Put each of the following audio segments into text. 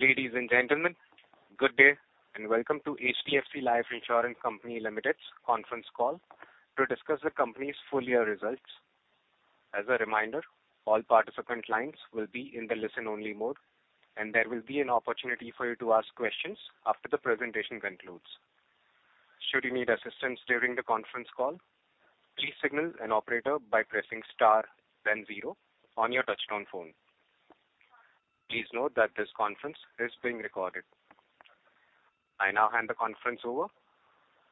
Ladies and gentlemen, good day and welcome to HDFC Life Insurance Company Limited's conference call to discuss the company's full year results. As a reminder, all participant lines will be in the listen-only mode, and there will be an opportunity for you to ask questions after the presentation concludes. Should you need assistance during the conference call, please signal an operator by pressing star, then zero, on your touch-tone phone. Please note that this conference is being recorded. I now hand the conference over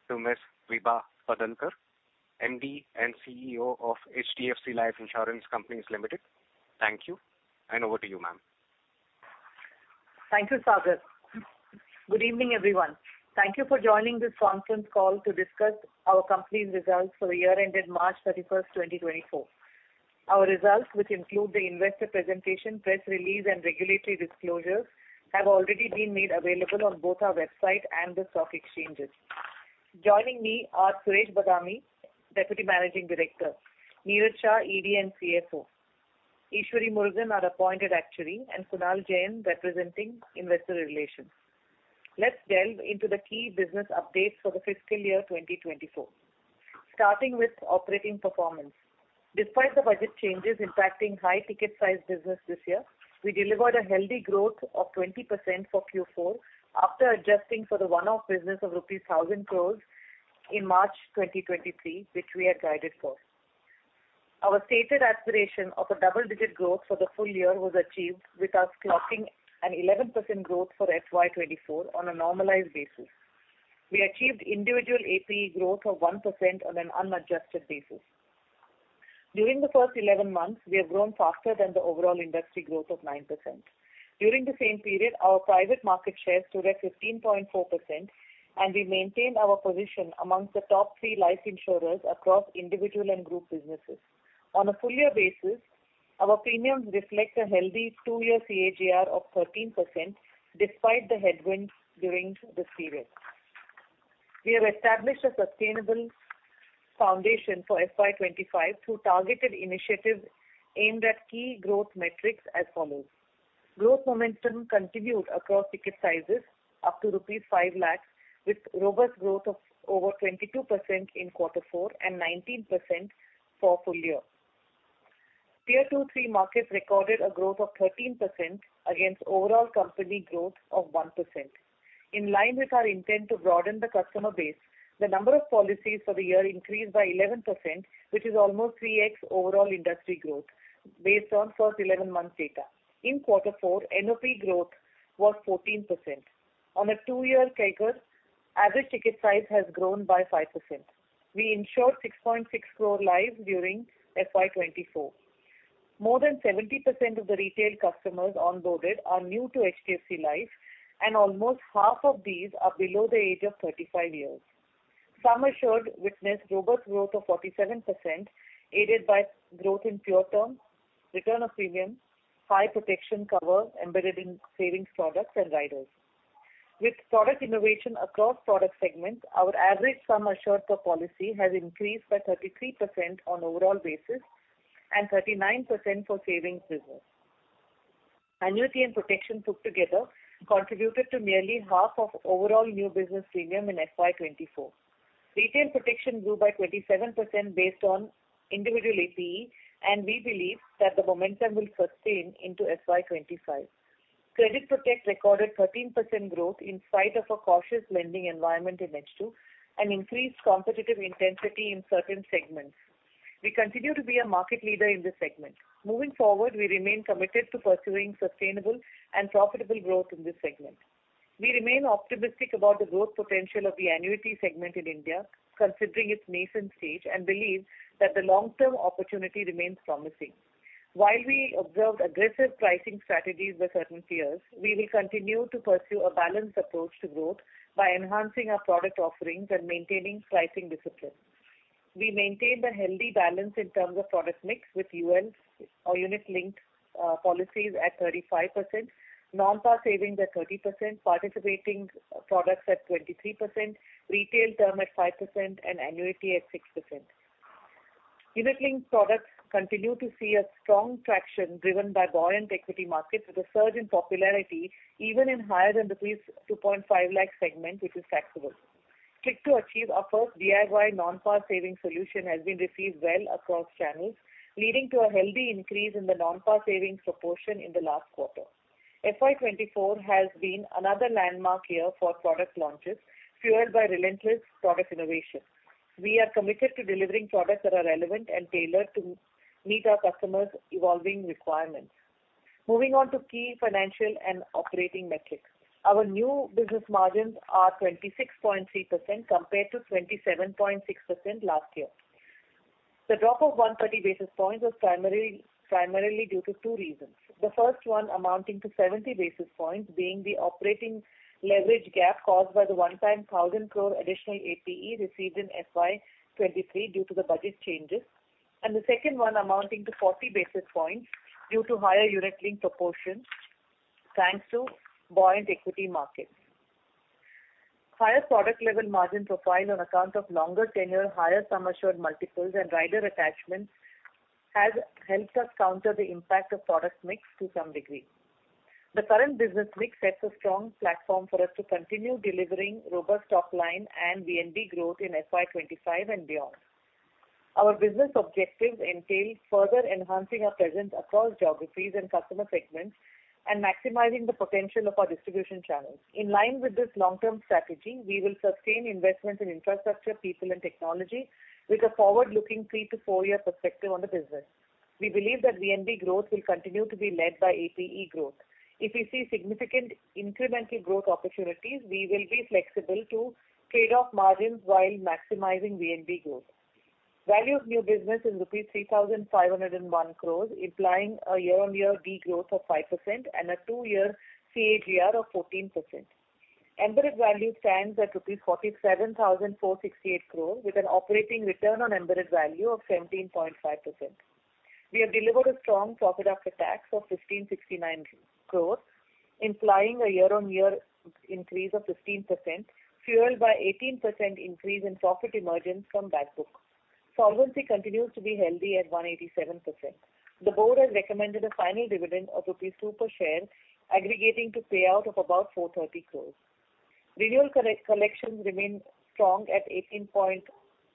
to Ms. Vibha Padalkar, MD and CEO of HDFC Life Insurance Company Limited. Thank you, and over to you, ma'am. Thank you, Sagar. Good evening, everyone. Thank you for joining this conference call to discuss our company's results for the year ended March 31st, 2024. Our results, which include the investor presentation, press release, and regulatory disclosures, have already been made available on both our website and the stock exchanges. Joining me are Suresh Badami, Deputy Managing Director, Niraj Shah, ED and CFO, Eshwari Murugan, our appointed actuary, and Kunal Jain, representing investor relations. Let's delve into the key business updates for the fiscal year 2024, starting with operating performance. Despite the budget changes impacting high-ticket-sized business this year, we delivered a healthy growth of 20% for Q4 after adjusting for the one-off business of rupees 1,000 crore in March 2023, which we had guided for. Our stated aspiration of a double-digit growth for the full year was achieved with us clocking an 11% growth for FY24 on a normalized basis. We achieved individual APE growth of 1% on an unadjusted basis. During the first 11 months, we have grown faster than the overall industry growth of 9%. During the same period, our private market share stood at 15.4%, and we maintained our position amongst the top three life insurers across individual and group businesses. On a full year basis, our premiums reflect a healthy two-year CAGR of 13% despite the headwinds during this period. We have established a sustainable foundation for FY 2025 through targeted initiatives aimed at key growth metrics as follows. Growth momentum continued across ticket sizes up to rupees 5,000,000, with robust growth of over 22% in Q4 and 19% for full year. Tier 2/3 markets recorded a growth of 13% against overall company growth of 1%. In line with our intent to broaden the customer base, the number of policies for the year increased by 11%, which is almost 3X overall industry growth based on first 11 months data. In Q4, NOP growth was 14%. On a two-year CAGR, average ticket size has grown by 5%. We insured 6.6 crore lives during FY 2024. More than 70% of the retail customers onboarded are new to HDFC Life, and almost half of these are below the age of 35 years. Sum assured witnessed robust growth of 47% aided by growth in pure term, return of premium, high protection cover embedded in savings products, and riders. With product innovation across product segments, our average sum assured per policy has increased by 33% on overall basis and 39% for savings business. Annuity and protection put together contributed to nearly half of overall new business premium in FY 2024. Retail protection grew by 27% based on individual APE, and we believe that the momentum will sustain into FY2025. Credit Protect recorded 13% growth in spite of a cautious lending environment in H2 and increased competitive intensity in certain segments. We continue to be a market leader in this segment. Moving forward, we remain committed to pursuing sustainable and profitable growth in this segment. We remain optimistic about the growth potential of the annuity segment in India, considering its nascent stage, and believe that the long-term opportunity remains promising. While we observed aggressive pricing strategies with certain peers, we will continue to pursue a balanced approach to growth by enhancing our product offerings and maintaining pricing discipline. We maintained a healthy balance in terms of product mix with UL, or unit-linked policies, at 35%, non-par savings at 30%, participating products at 23%, retail term at 5%, and annuity at 6%. Unit-linked products continue to see a strong traction driven by buoyant equity markets with a surge in popularity even in higher-than-INR 2.5 million segment, which is taxable. Click 2 Achieve, our first DIY non-par savings solution has been received well across channels, leading to a healthy increase in the non-par savings proportion in the last quarter. FY 2024 has been another landmark year for product launches, fueled by relentless product innovation. We are committed to delivering products that are relevant and tailored to meet our customers' evolving requirements. Moving on to key financial and operating metrics, our new business margins are 26.3% compared to 27.6% last year. The drop of 130 basis points was primarily due to two reasons. The first one amounting to 70 basis points being the operating leverage gap caused by the one-time 1,000 crore additional APE received in FY 2023 due to the budget changes, and the second one amounting to 40 basis points due to higher unit-linked proportion thanks to buoyant equity markets. Higher product-level margin profile on account of longer tenure, higher sum assured multiples, and rider attachment has helped us counter the impact of product mix to some degree. The current business mix sets a strong platform for us to continue delivering robust top-line and VNB growth in FY 2025 and beyond. Our business objectives entail further enhancing our presence across geographies and customer segments and maximizing the potential of our distribution channels. In line with this long-term strategy, we will sustain investments in infrastructure, people, and technology with a forward-looking three-to-four-year perspective on the business. We believe that VNB growth will continue to be led by APE growth. If we see significant incremental growth opportunities, we will be flexible to trade-off margins while maximizing VNB growth. Value of new business is rupees 3,501 crore, implying a year-on-year degrowth of 5% and a two-year CAGR of 14%. Embedded value stands at rupees 47,468 crore, with an operating return on embedded value of 17.5%. We have delivered a strong profit after tax of 1,569 crore, implying a year-on-year increase of 15% fueled by an 18% increase in profit emergence from backbook. Solvency continues to be healthy at 187%. The board has recommended a final dividend of rupees 2 per share, aggregating to payout of about 430 crore rupees. Renewal collections remain strong at 18%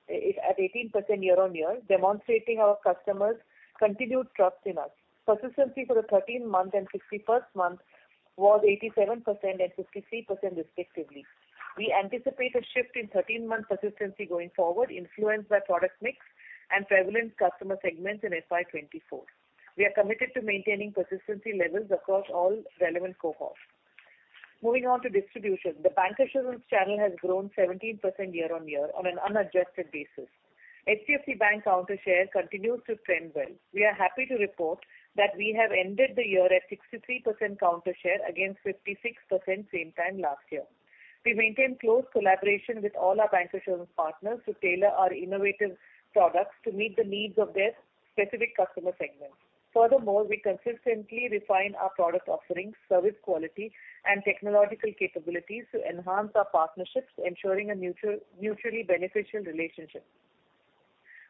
year-on-year, demonstrating our customers' continued trust in us. Persistency for the 13th month and 51st month was 87% and 53%, respectively. We anticipate a shift in 13-month persistency going forward, influenced by product mix and prevalent customer segments in FY2024. We are committed to maintaining persistency levels across all relevant cohorts. Moving on to distribution, the bankcassurance channel has grown 17% year-on-year on an unadjusted basis. HDFC Bank counter-share continues to trend well. We are happy to report that we have ended the year at 63% counter-share against 56% same time last year. We maintain close collaboration with all our bankcassurance partners to tailor our innovative products to meet the needs of their specific customer segments. Furthermore, we consistently refine our product offerings, service quality, and technological capabilities to enhance our partnerships, ensuring a mutually beneficial relationship.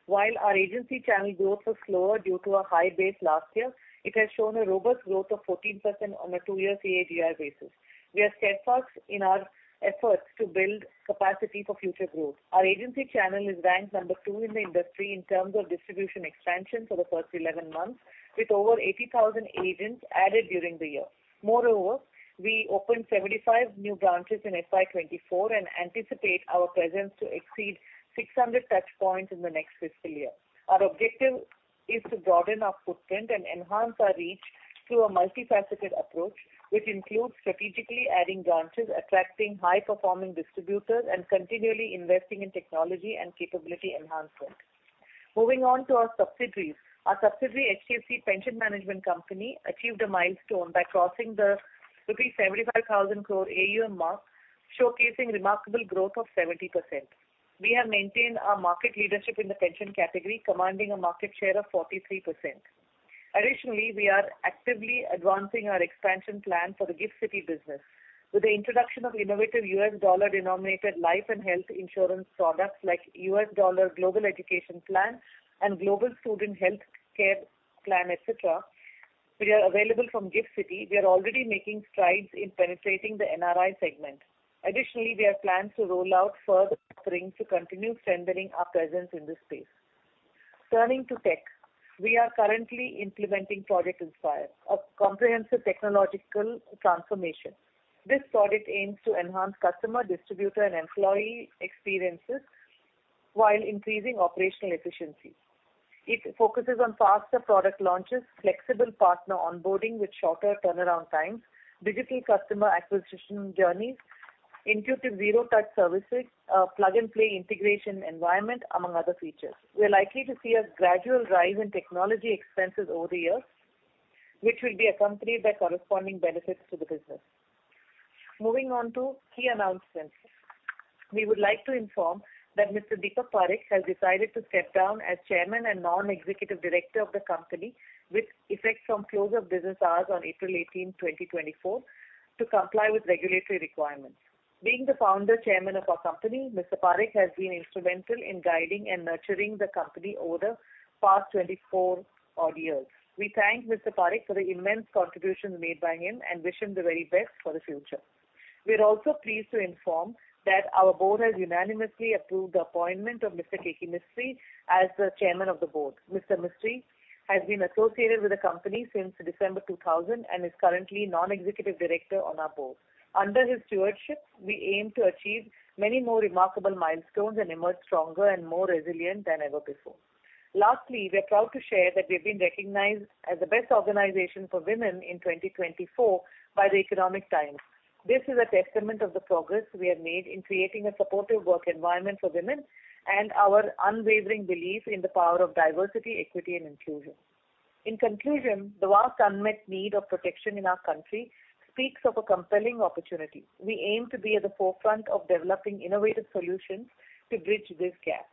While our agency channel growth was slower due to a high base last year, it has shown a robust growth of 14% on a two-year CAGR basis. We are steadfast in our efforts to build capacity for future growth. Our agency channel is ranked number 2 in the industry in terms of distribution expansion for the first 11 months, with over 80,000 agents added during the year. Moreover, we opened 75 new branches in FY2024 and anticipate our presence to exceed 600 touchpoints in the next fiscal year. Our objective is to broaden our footprint and enhance our reach through a multifaceted approach, which includes strategically adding branches, attracting high-performing distributors, and continually investing in technology and capability enhancement. Moving on to our subsidiaries, our subsidiary HDFC Pension Management Company achieved a milestone by crossing the rupees 75,000 crore AUM mark, showcasing remarkable growth of 70%. We have maintained our market leadership in the pension category, commanding a market share of 43%. Additionally, we are actively advancing our expansion plan for the GIFT City business with the introduction of innovative U.S. dollar-denominated life and health insurance products like U.S. Dollar Global Education Plan and Global Student Health Care Plan, etc. We are available from GIFT City. We are already making strides in penetrating the NRI segment. Additionally, we have plans to roll out further offerings to continue strengthening our presence in this space. Turning to tech, we are currently implementing Project Inspire, a comprehensive technological transformation. This project aims to enhance customer, distributor, and employee experiences while increasing operational efficiency. It focuses on faster product launches, flexible partner onboarding with shorter turnaround times, digital customer acquisition journeys, intuitive zero-touch services, a plug-and-play integration environment, among other features. We are likely to see a gradual rise in technology expenses over the years, which will be accompanied by corresponding benefits to the business. Moving on to key announcements, we would like to inform that Mr. Deepak Parekh has decided to step down as chairman and non-executive director of the company, with effect from close of business hours on April 18, 2024, to comply with regulatory requirements. Being the founder chairman of our company, Mr. Parekh has been instrumental in guiding and nurturing the company over the past 24 odd years. We thank Mr. Parekh for the immense contributions made by him and wish him the very best for the future. We are also pleased to inform that our board has unanimously approved the appointment of Mr. K.K. Mistry as the chairman of the board. Mr. Mistry has been associated with the company since December 2000 and is currently non-executive director on our board. Under his stewardship, we aim to achieve many more remarkable milestones and emerge stronger and more resilient than ever before. Lastly, we are proud to share that we have been recognized as the best organization for women in 2024 by The Economic Times. This is a testament to the progress we have made in creating a supportive work environment for women and our unwavering belief in the power of diversity, equity, and inclusion. In conclusion, the vast unmet need of protection in our country speaks of a compelling opportunity. We aim to be at the forefront of developing innovative solutions to bridge this gap.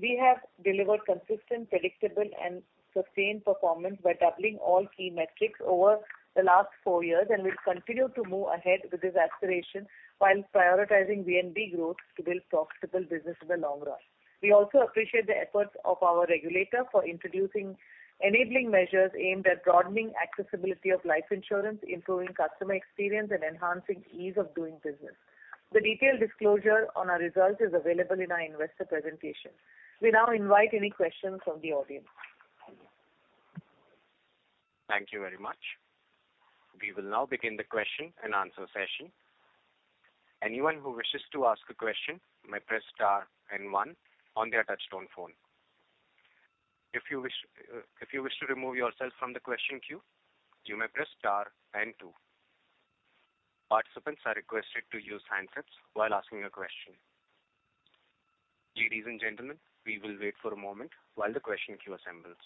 We have delivered consistent, predictable, and sustained performance by doubling all key metrics over the last four years and will continue to move ahead with this aspiration while prioritizing VNB growth to build profitable business in the long run. We also appreciate the efforts of our regulator for introducing enabling measures aimed at broadening accessibility of life insurance, improving customer experience, and enhancing ease of doing business. The detailed disclosure on our results is available in our investor presentation. We now invite any questions from the audience. Thank you very much. We will now begin the question and answer session. Anyone who wishes to ask a question may press star and one on their touch-tone phone. If you wish to remove yourself from the question queue, you may press star and two. Participants are requested to use handsets while asking a question. Ladies and gentlemen, we will wait for a moment while the question queue assembles.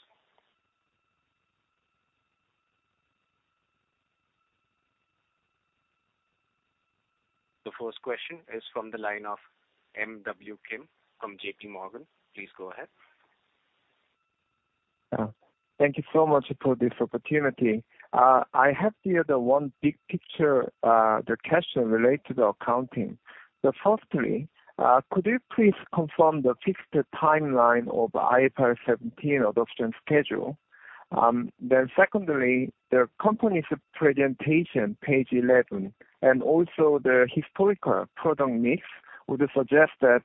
The first question is from the line of M.W. Kim from J.P. Morgan. Please go ahead. Thank you so much for this opportunity. I have here the one big picture question related to the accounting. Firstly, could you please confirm the fixed timeline of IFRS 17 adoption schedule? Then secondly, the company's presentation, page 11, and also the historical product mix would suggest that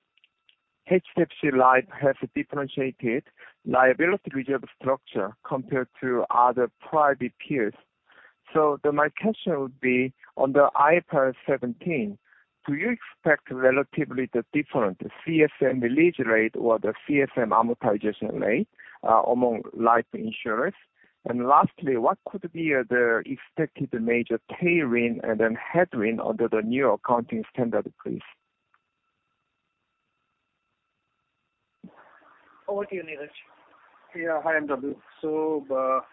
HDFC Life has a differentiated liability reserve structure compared to other private peers. So my question would be, under IFRS 17, do you expect relatively different CSM release rate or the CSM amortization rate among life insurers? And lastly, what could be the expected major tailwind and then headwind under the new accounting standard, please? Oh, do you need it? Yeah. Hi, MW. So to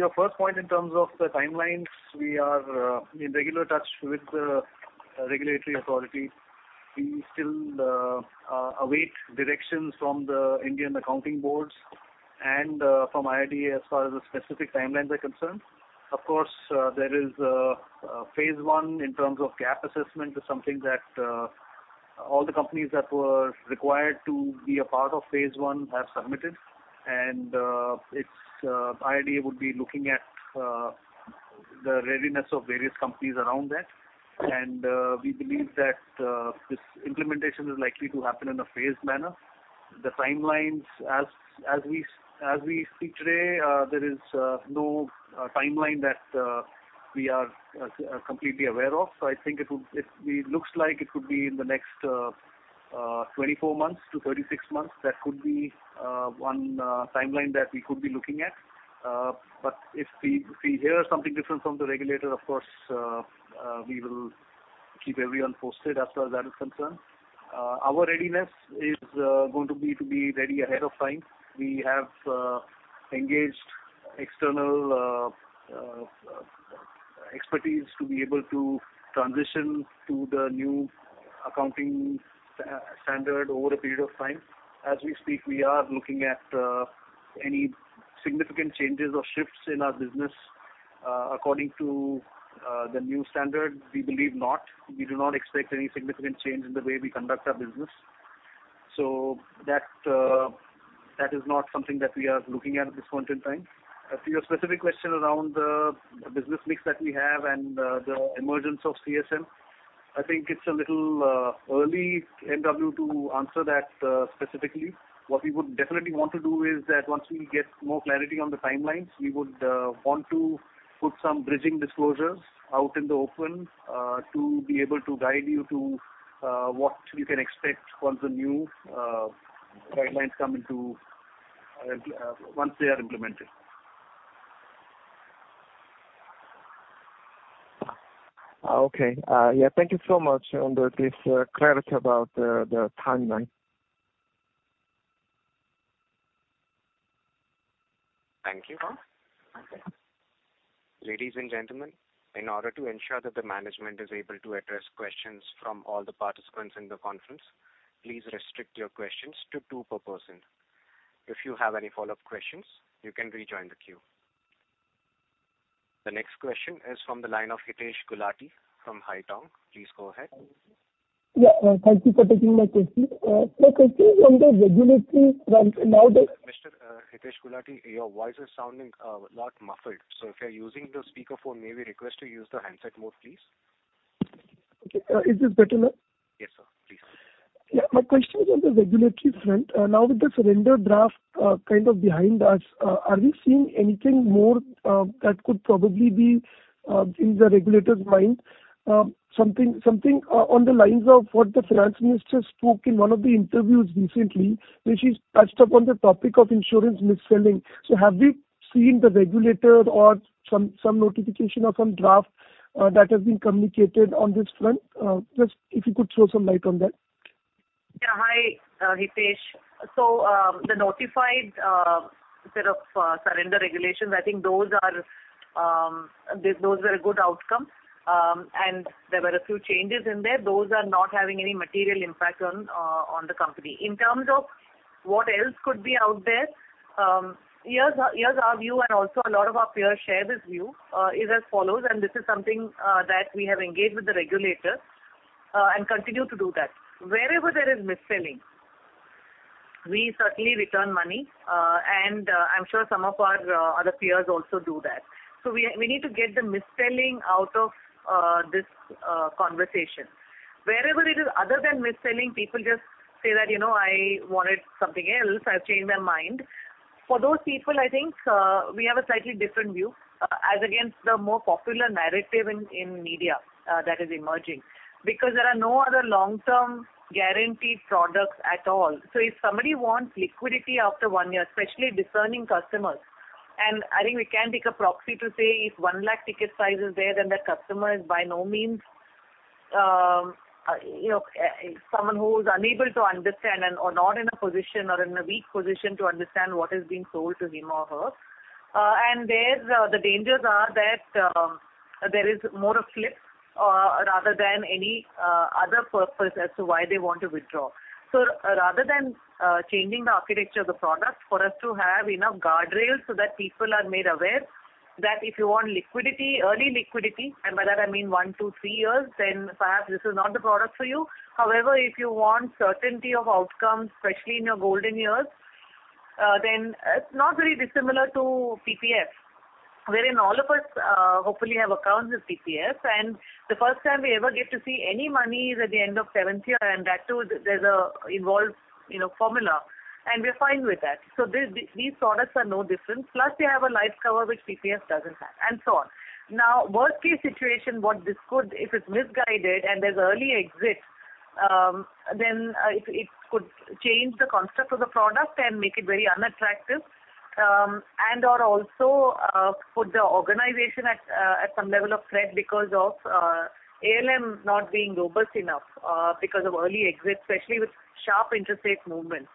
your first point in terms of the timelines, we are in regular touch with the regulatory authority. We still await directions from the Indian accounting boards and from IRDA as far as the specific timelines are concerned. Of course, there is phase one in terms of gap assessment. It's something that all the companies that were required to be a part of phase one have submitted. And IRDA would be looking at the readiness of various companies around that. And we believe that this implementation is likely to happen in a phased manner. The timelines, as we speak today, there is no timeline that we are completely aware of. So I think it looks like it could be in the next 24-36 months. That could be one timeline that we could be looking at. But if we hear something different from the regulator, of course, we will keep everyone posted as far as that is concerned. Our readiness is going to be to be ready ahead of time. We have engaged external expertise to be able to transition to the new accounting standard over a period of time. As we speak, we are looking at any significant changes or shifts in our business according to the new standard. We believe not. We do not expect any significant change in the way we conduct our business. So that is not something that we are looking at at this point in time. To your specific question around the business mix that we have and the emergence of CSM, I think it's a little early, MW, to answer that specifically. What we would definitely want to do is that once we get more clarity on the timelines, we would want to put some bridging disclosures out in the open to be able to guide you to what you can expect once the new guidelines come into once they are implemented. Okay. Yeah. Thank you so much, MW, for clarity about the timeline. Thank you. Ladies and gentlemen, in order to ensure that the management is able to address questions from all the participants in the conference, please restrict your questions to two per person. If you have any follow-up questions, you can rejoin the queue. The next question is from the line of Hitesh Gulati from Haitong. Please go ahead. Yeah. Thank you for taking my question. My question is on the regulatory front. Now that Mr. Hitesh Gulati, your voice is sounding a lot muffled. So if you're using the speakerphone, may we request to use the handset mode, please? Okay. Is this better now? Yes, sir. Please. Yeah. My question is on the regulatory front. Now with the surrender draft kind of behind us, are we seeing anything more that could probably be in the regulator's mind? Something on the lines of what the finance minister spoke in one of the interviews recently, where she's touched upon the topic of insurance mis-selling. So have we seen the regulator or some notification or some draft that has been communicated on this front? Just if you could throw some light on that. Yeah. Hi, Hitesh. So the notified set of surrender regulations, I think those were a good outcome, and there were a few changes in there. Those are not having any material impact on the company. In terms of what else could be out there, here's our view, and also a lot of our peers share this view, is as follows. And this is something that we have engaged with the regulator and continue to do that. Wherever there is mis-selling, we certainly return money, and I'm sure some of our other peers also do that. So we need to get the mis-selling out of this conversation. Wherever it is other than mis-selling, people just say that, "I wanted something else. I've changed my mind." For those people, I think we have a slightly different view as against the more popular narrative in media that is emerging because there are no other long-term guaranteed products at all. So if somebody wants liquidity after one year, especially discerning customers and I think we can't take a proxy to say if 1,000,000 ticket size is there, then that customer is by no means someone who is unable to understand or not in a position or in a weak position to understand what is being sold to him or her. And the dangers are that there is more of flips rather than any other purpose as to why they want to withdraw. So rather than changing the architecture of the product, for us to have enough guardrails so that people are made aware that if you want liquidity, early liquidity and by that, I mean one, two, three years, then perhaps this is not the product for you. However, if you want certainty of outcomes, especially in your golden years, then it's not very dissimilar to PPF, wherein all of us hopefully have accounts with PPF. And the first time we ever get to see any money is at the end of seventh year. And that too, there's an involved formula, and we're fine with that. So these products are no different. Plus, they have a life cover which PPF doesn't have, and so on. Now, worst-case situation, what this could if it's misguided and there's early exit, then it could change the construct of the product and make it very unattractive and/or also put the organization at some level of threat because of ALM not being robust enough because of early exit, especially with sharp interest rate movements.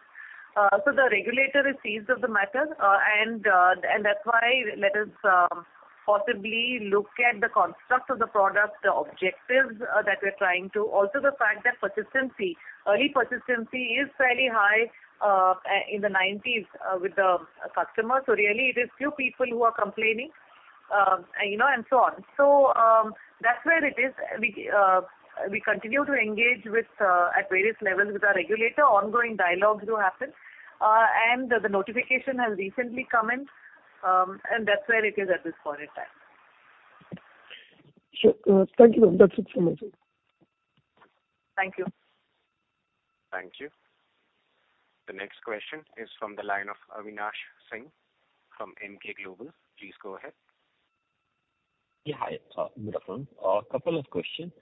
So the regulator is seized of the matter, and that's why let us possibly look at the construct of the product, the objectives that we're trying to also, the fact that early persistency is fairly high in the 90s with the customers. So really, it is few people who are complaining, and so on. So that's where it is. We continue to engage at various levels with our regulator. Ongoing dialogues do happen. And the notification has recently come in, and that's where it is at this point in time. Sure. Thank you, MW. That's it from me, sir. Thank you. Thank you. The next question is from the line of Avinash Singh from Emkay Global. Please go ahead. Yeah. Hi, MW. A couple of questions.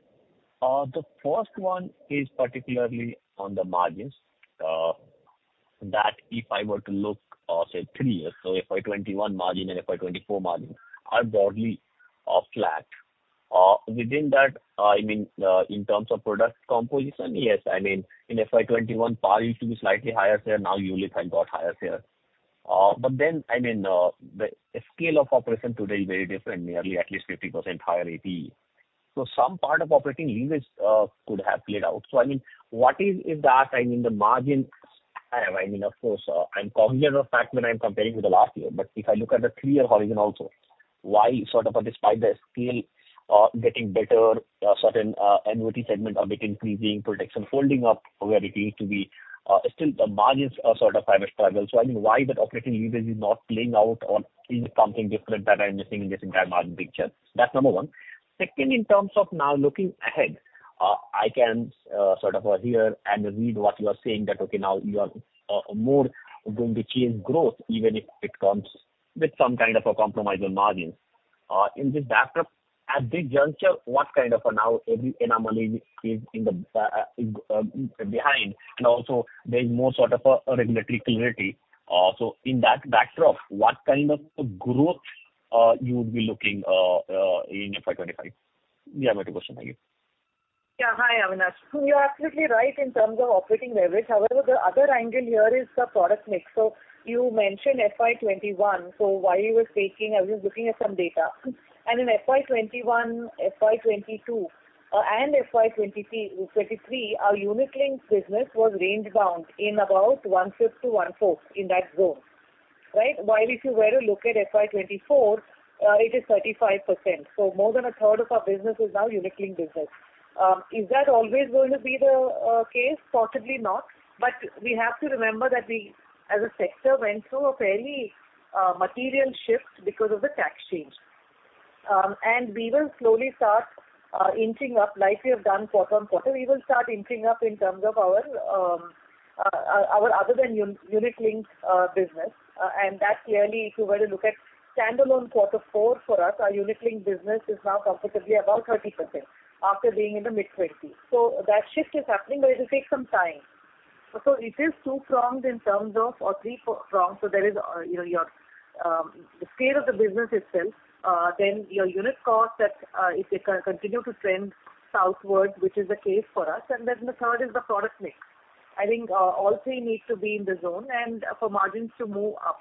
The first one is particularly on the margins that if I were to look, say, three years so FY21 margin and FY24 margin are broadly flat. Within that, I mean, in terms of product composition, yes. I mean, in FY21, par used to be slightly higher share. Now, ULIP has got higher share. But then, I mean, the scale of operation today is very different, nearly at least 50% higher APE. So some part of operating leverage could have played out. So I mean, what is that? I mean, the margin I have. I mean, of course, I'm cognizant of that when I'm comparing with the last year. But if I look at the three-year horizon also, why sort of despite the scale getting better, certain NVT segment a bit increasing, protection folding up where it used to be, still the margins sort of have a struggle? So I mean, why that operating leverage is not playing out or is it something different that I'm missing in this entire margin picture? That's number one. Second, in terms of now looking ahead, I can sort of hear and read what you are saying that, okay, now you are more going to change growth even if it comes with some kind of a compromise on margins. In this backdrop, at this juncture, what kind of now every anomaly is behind? And also, there is more sort of a regulatory clarity. So in that backdrop, what kind of growth you would be looking in FY25? Yeah. My question, I guess. Yeah. Hi, Avinash. You're absolutely right in terms of operating leverage. However, the other angle here is the product mix. So you mentioned FY21. So while you were speaking, I was looking at some data. In FY21, FY22, and FY23, our unit-linked business was range-bound in about one-fifth to one-fourth in that zone, right? While if you were to look at FY24, it is 35%. So more than a third of our business is now unit-linked business. Is that always going to be the case? Possibly not. But we have to remember that we, as a sector, went through a fairly material shift because of the tax change. And we will slowly start inching up like we have done quarter on quarter. We will start inching up in terms of our other-than-unit-linked business. That clearly, if you were to look at standalone quarter four for us, our unit-linked business is now comfortably about 30% after being in the mid-20s. So that shift is happening, but it will take some time. So it is two-pronged in terms of or three-pronged. So there is the scale of the business itself, then your unit cost that if they continue to trend southwards, which is the case for us. And then the third is the product mix. I think all three need to be in the zone and for margins to move up.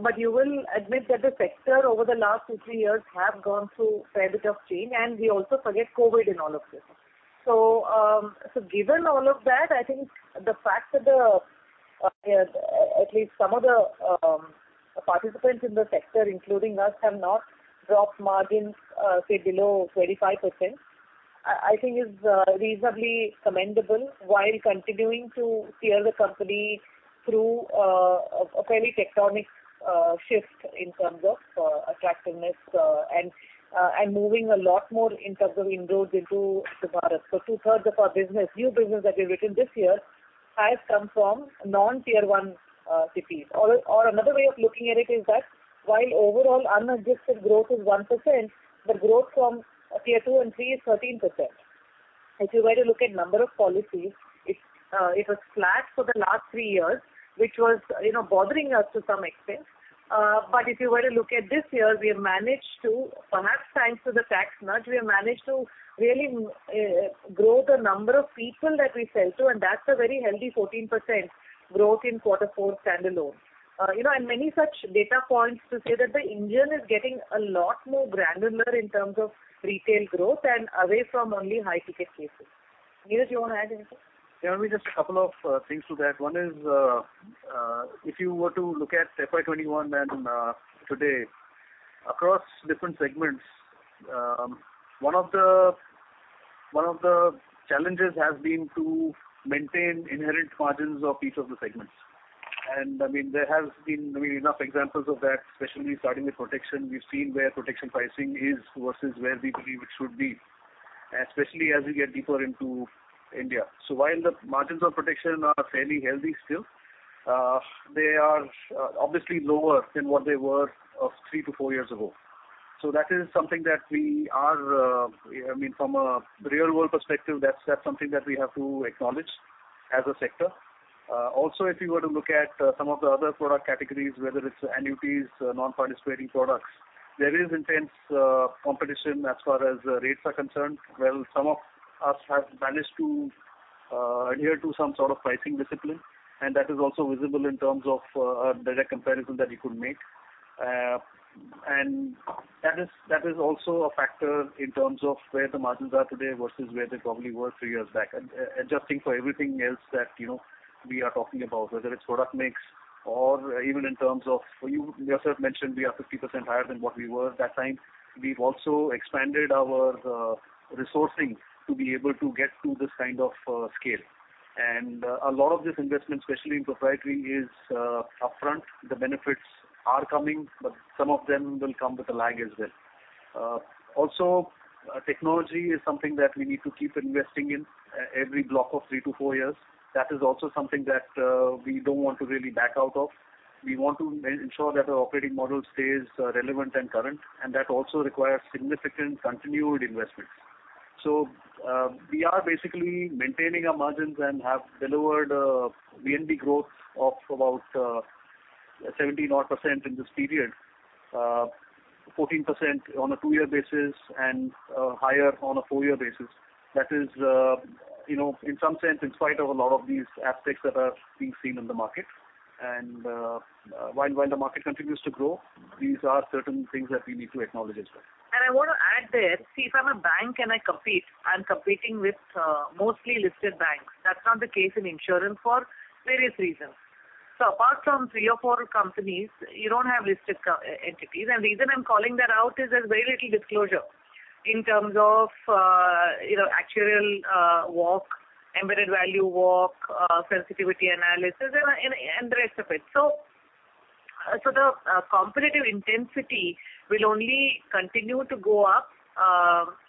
But you will admit that the sector over the last two, three years have gone through a fair bit of change. And we also forget COVID in all of this. So given all of that, I think the fact that at least some of the participants in the sector, including us, have not dropped margins, say, below 25%, I think is reasonably commendable while continuing to steer the company through a fairly tectonic shift in terms of attractiveness and moving a lot more in terms of inroads into Bharat. So two-thirds of our business, new business that we've written this year, has come from non-Tier 1 cities. Or another way of looking at it is that while overall unadjusted growth is 1%, the growth from tier 2 and three is 13%. If you were to look at number of policies, it was flat for the last three years, which was bothering us to some extent. But if you were to look at this year, we have managed to perhaps thanks to the tax nudge, we have managed to really grow the number of people that we sell to. And that's a very healthy 14% growth in quarter four standalone. And many such data points to say that the engine is getting a lot more granular in terms of retail growth and away from only high-ticket cases. Niraj, you want to add anything? Yeah. Let me just a couple of things to that. One is if you were to look at FY21 and today across different segments, one of the challenges has been to maintain inherent margins of each of the segments. And I mean, there has been enough examples of that, especially starting with protection. We've seen where protection pricing is versus where we believe it should be, especially as you get deeper into India. So while the margins of protection are fairly healthy still, they are obviously lower than what they were 3-4 years ago. So that is something that we are I mean, from a real-world perspective, that's something that we have to acknowledge as a sector. Also, if you were to look at some of the other product categories, whether it's annuities, non-participating products, there is intense competition as far as rates are concerned. Well, some of us have managed to adhere to some sort of pricing discipline. And that is also visible in terms of a direct comparison that you could make. And that is also a factor in terms of where the margins are today versus where they probably were 3 years back. Adjusting for everything else that we are talking about, whether it's product mix or even in terms of you yourself mentioned we are 50% higher than what we were that time. We've also expanded our resourcing to be able to get to this kind of scale. A lot of this investment, especially in proprietary, is upfront. The benefits are coming, but some of them will come with a lag as well. Also, technology is something that we need to keep investing in every block of three to four years. That is also something that we don't want to really back out of. We want to ensure that our operating model stays relevant and current. That also requires significant continued investments. So we are basically maintaining our margins and have delivered VNB growth of about 17-odd% in this period, 14% on a two-year basis and higher on a four-year basis. That is, in some sense, in spite of a lot of these aspects that are being seen in the market. And while the market continues to grow, these are certain things that we need to acknowledge as well. And I want to add there. See, if I'm a bank, can I compete? I'm competing with mostly listed banks. That's not the case in insurance for various reasons. So apart from three or four companies, you don't have listed entities. And the reason I'm calling that out is there's very little disclosure in terms of actuarial walk, embedded value walk, sensitivity analysis, and the rest of it. So the competitive intensity will only continue to go up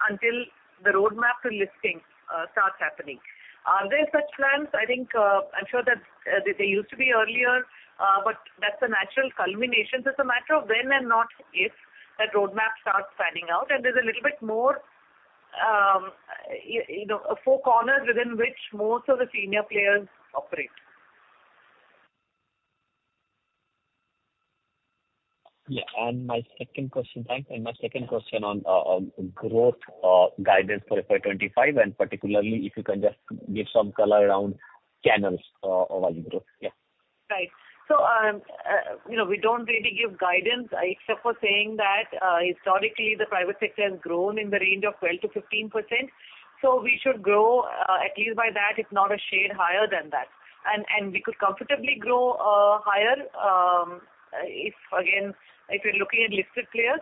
until the roadmap to listing starts happening. Are there such plans? I'm sure that they used to be earlier, but that's a natural culmination. It's a matter of when and not if that roadmap starts fanning out. There's a little bit more four corners within which most of the senior players operate. Yeah. My second question, thanks. And my second question on growth guidance for FY25 and particularly if you can just give some color around channels of value growth. Yeah. Right. So we don't really give guidance except for saying that historically, the private sector has grown in the range of 12%-15%. So we should grow at least by that, if not a shade higher than that. And we could comfortably grow higher if, again, if you're looking at listed players.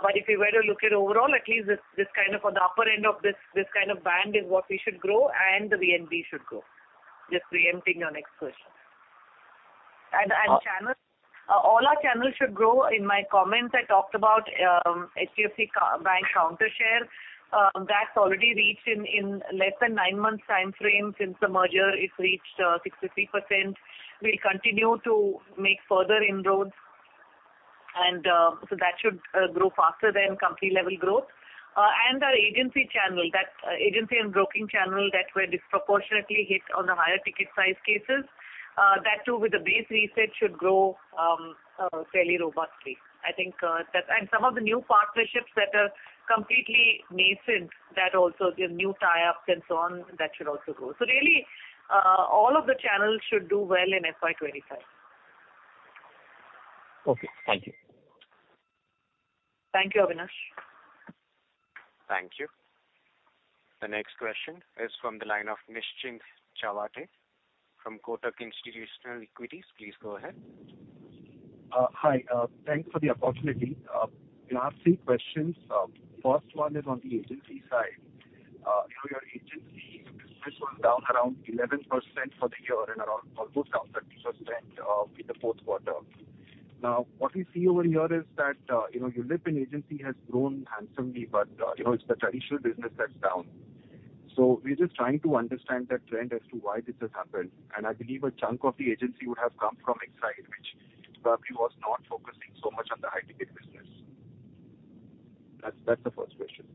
But if you were to look at overall, at least this kind of on the upper end of this kind of band is what we should grow, and the VNB should grow. Just preempting your next question. And all our channels should grow. In my comments, I talked about HDFC Bank countershare. That's already reached in less than nine-month time frame since the merger. It's reached 63%. We'll continue to make further inroads. And so that should grow faster than company-level growth. And our agency channel, that agency and broking channel that were disproportionately hit on the higher-ticket-sized cases, that too, with a base reset, should grow fairly robustly. I think that's and some of the new partnerships that are completely nascent, that also new tie-ups and so on, that should also grow. So really, all of the channels should do well in FY25. Okay. Thank you. Thank you, Avinash. Thank you. The next question is from the line of Nischint Chawathe from Kotak Institutional Equities. Please go ahead. Hi. Thanks for the opportunity. We are seeing questions. First one is on the agency side. Your agency business was down around 11% for the year and almost down 30% in the fourth quarter. Now, what we see over here is that ULIP and agency has grown handsomely, but it's the traditional business that's down. So we're just trying to understand that trend as to why this has happened. And I believe a chunk of the agency would have come from Exide, which probably was not focusing so much on the high-ticket business. That's the first question.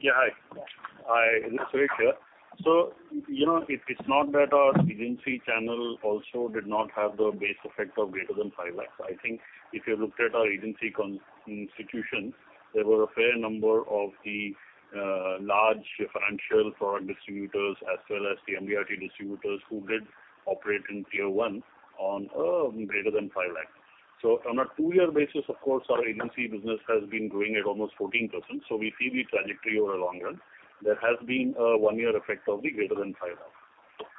Yeah. Hi. Nice to hear you, Sir. So it's not that our agency channel also did not have the base effect of greater than 5X. I think if you looked at our agency institutions, there were a fair number of the large financial product distributors as well as the MDRT distributors who did operate in tier one on greater than 5x. So on a two-year basis, of course, our agency business has been growing at almost 14%. So we see the trajectory over the long run. There has been a one-year effect of the greater than 5x.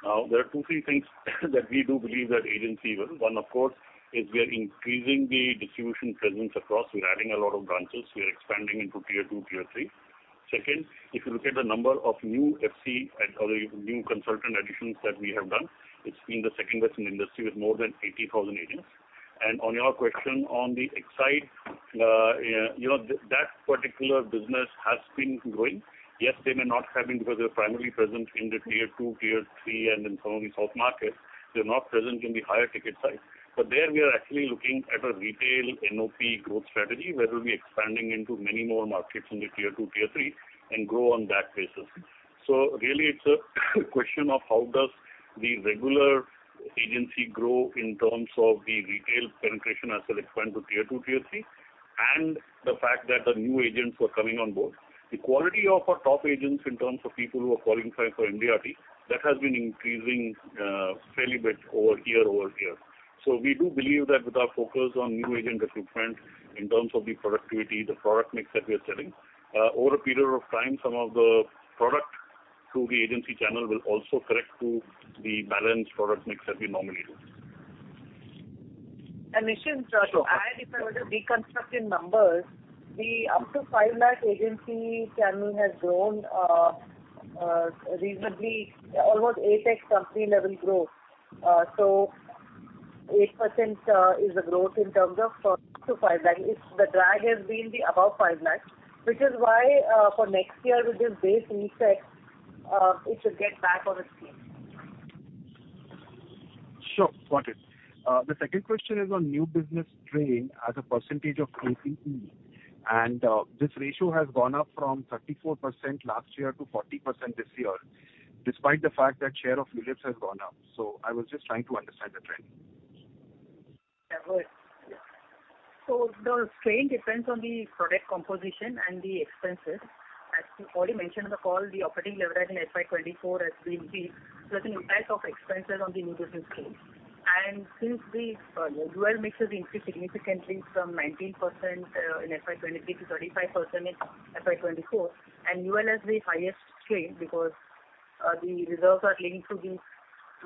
Now, there are two, three things that we do believe that agency will. One, of course, is we are increasing the distribution presence across. We're adding a lot of branches. We are expanding into tier two, tier three. Second, if you look at the number of new FC or new consultant additions that we have done, it's been the second best in the industry with more than 80,000 agents. On your question on the Exide, that particular business has been growing. Yes, they may not have been because they're primarily present in the tier two, tier three, and in some of the south markets. They're not present in the higher-ticket side. But there, we are actually looking at a retail NOP growth strategy where we'll be expanding into many more markets in the tier two, tier three, and grow on that basis. So really, it's a question of how does the regular agency grow in terms of the retail penetration as it expands to tier two, tier three, and the fact that the new agents are coming on board. The quality of our top agents in terms of people who are qualifying for MDRT, that has been increasing fairly a bit year-over-year. So we do believe that with our focus on new agent recruitment in terms of the productivity, the product mix that we are selling, over a period of time, some of the product through the agency channel will also correct to the balanced product mix that we normally do. And Nischint, Sir, if I were to deconstruct in numbers, the up to 5x agency channel has grown reasonably, almost at par company-level growth. So 8% is the growth in terms of up to 5x. The drag has been the above 5x, which is why for next year, with this base reset, it should get back on its feet. Sure. Got it. The second question is on new business strain as a percentage of APE. And this ratio has gone up from 34% last year to 40% this year despite the fact that share of ULIPs has gone up. So I was just trying to understand the trend. Yeah. Good. So the strain depends on the product composition and the expenses. As you already mentioned in the call, the operating leverage in FY24 has been weak. So there's an impact of expenses on the new business case. And since the UL mix has increased significantly from 19% in FY23 to 35% in FY24, and UL has the highest strain because the reserves are linked to the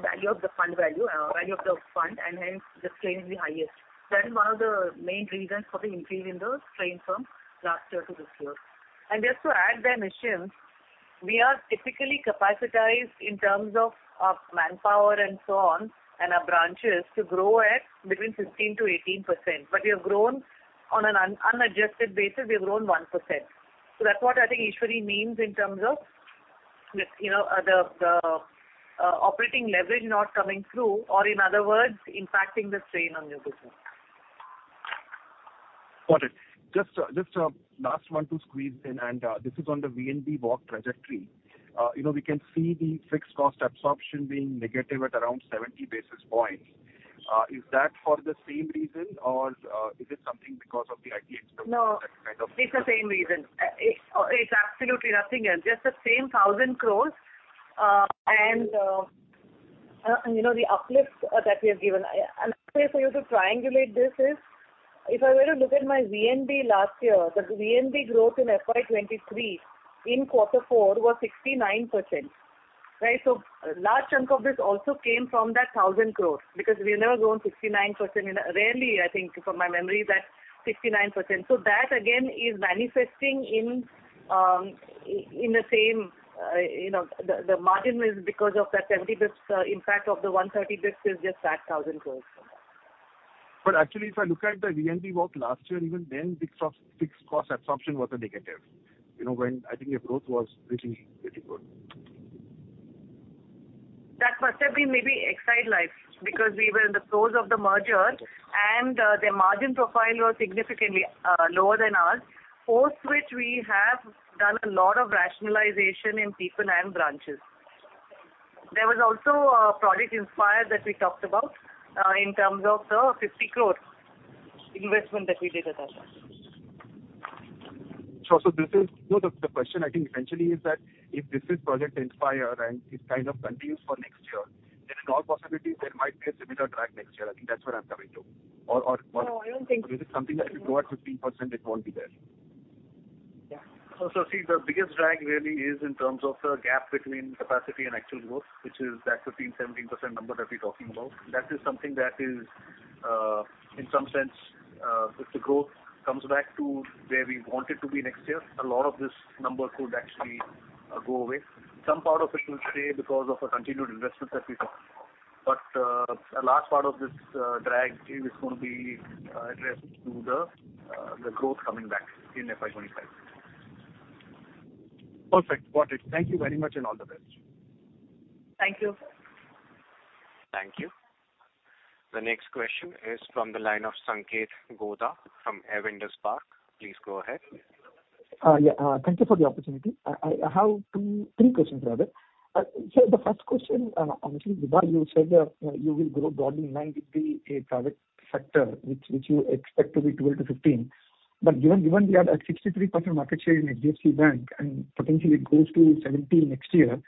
value of the fund value, value of the fund, and hence, the strain is the highest. That is one of the main reasons for the increase in the strain from last year to this year. And just to add there, Nischint, we are typically capacitated in terms of manpower and so on and our branches to grow at between 15%-18%. But we have grown on an unadjusted basis. We have grown 1%. So that's what I think Eshwari means in terms of the operating leverage not coming through or, in other words, impacting the strain on new business. Got it. Just a last one to squeeze in. And this is on the VNB walk trajectory. We can see the fixed cost absorption being negative at around 70 basis points. Is that for the same reason, or is it something because of the IT expenses that kind of? No. It's the same reason. It's absolutely nothing else. Just the same 1,000 crore. And the uplift that we have given another way for you to triangulate this is if I were to look at my VNB last year, the VNB growth in FY23 in quarter four was 69%, right? So a large chunk of this also came from that 1,000 crore because we have never grown 69% in a rare year, I think, from my memory, that 69%. So that, again, is manifesting in the same; the margin is because of that 70 basis points impact of the 130 basis points is just that 1,000 crore. But actually, if I look at the VNB walk last year, even then, fixed cost absorption was a negative when I think your growth was really, really good. That must have been maybe Exide Life because we were in the process of the merger, and their margin profile was significantly lower than ours, post which we have done a lot of rationalization in people and branches. There was also a Project Inspire that we talked about in terms of the 50 crore investment that we did at that time. Sure. So the question, I think, essentially is that if this is project Inspire and it kind of continues for next year, then in all possibilities, there might be a similar drag next year. I think that's what I'm coming to. Or is it something that if it grew at 15%, it won't be there? Yeah. So see, the biggest drag really is in terms of the gap between capacity and actual growth, which is that 15%-17% number that we're talking about. That is something that is, in some sense, if the growth comes back to where we want it to be next year, a lot of this number could actually go away. Some part of it will stay because of a continued investment that we've done. But a large part of this drag is going to be addressed to the growth coming back in FY25. Perfect. Got it. Thank you very much, and all the best. Thank you. Thank you. The next question is from the line of Sanketh Godha from Avendus Spark. Please go ahead. Yeah. Thank you for the opportunity. I have three questions, rather. Sir, the first question, obviously, Vibha, you said you will grow broadly in line with the private sector, which you expect to be 12%-15%. But given we are at 63% market share in HDFC Bank and potentially it goes to 17 next year,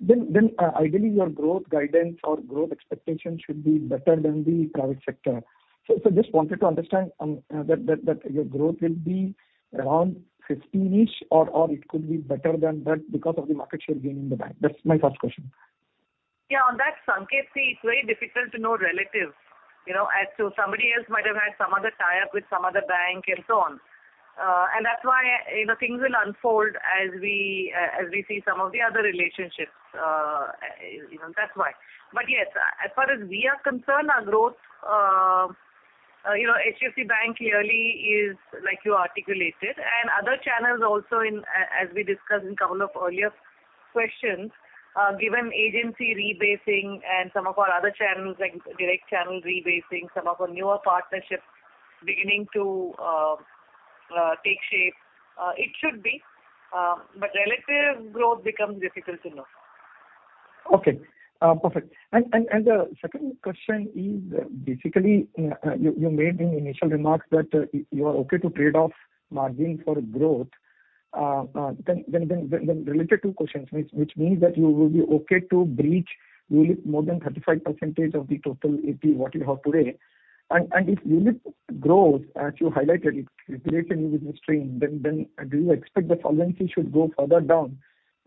then ideally, your growth guidance or growth expectation should be better than the private sector. So I just wanted to understand that your growth will be around 15-ish, or it could be better than that because of the market share gain in the bank. That's my first question. Yeah. On that Sanketh, see, it's very difficult to know relatives. So somebody else might have had some other tie-up with some other bank and so on. And that's why things will unfold as we see some of the other relationships. That's why. But yes, as far as we are concerned, our growth, HDFC Bank clearly is like you articulated. And other channels also, as we discussed in a couple of earlier questions, given agency rebasing and some of our other channels like direct channel rebasing, some of our newer partnerships beginning to take shape, it should be. But relative growth becomes difficult to know. Okay. Perfect. And the second question is basically, you made in initial remarks that you are okay to trade off margin for growth. Then related two questions, which means that you will be okay to breach ULIP more than 35% of the total APE what you have today. If ULIP grows, as you highlighted, it creates a new business strain, then do you expect the solvency should go further down,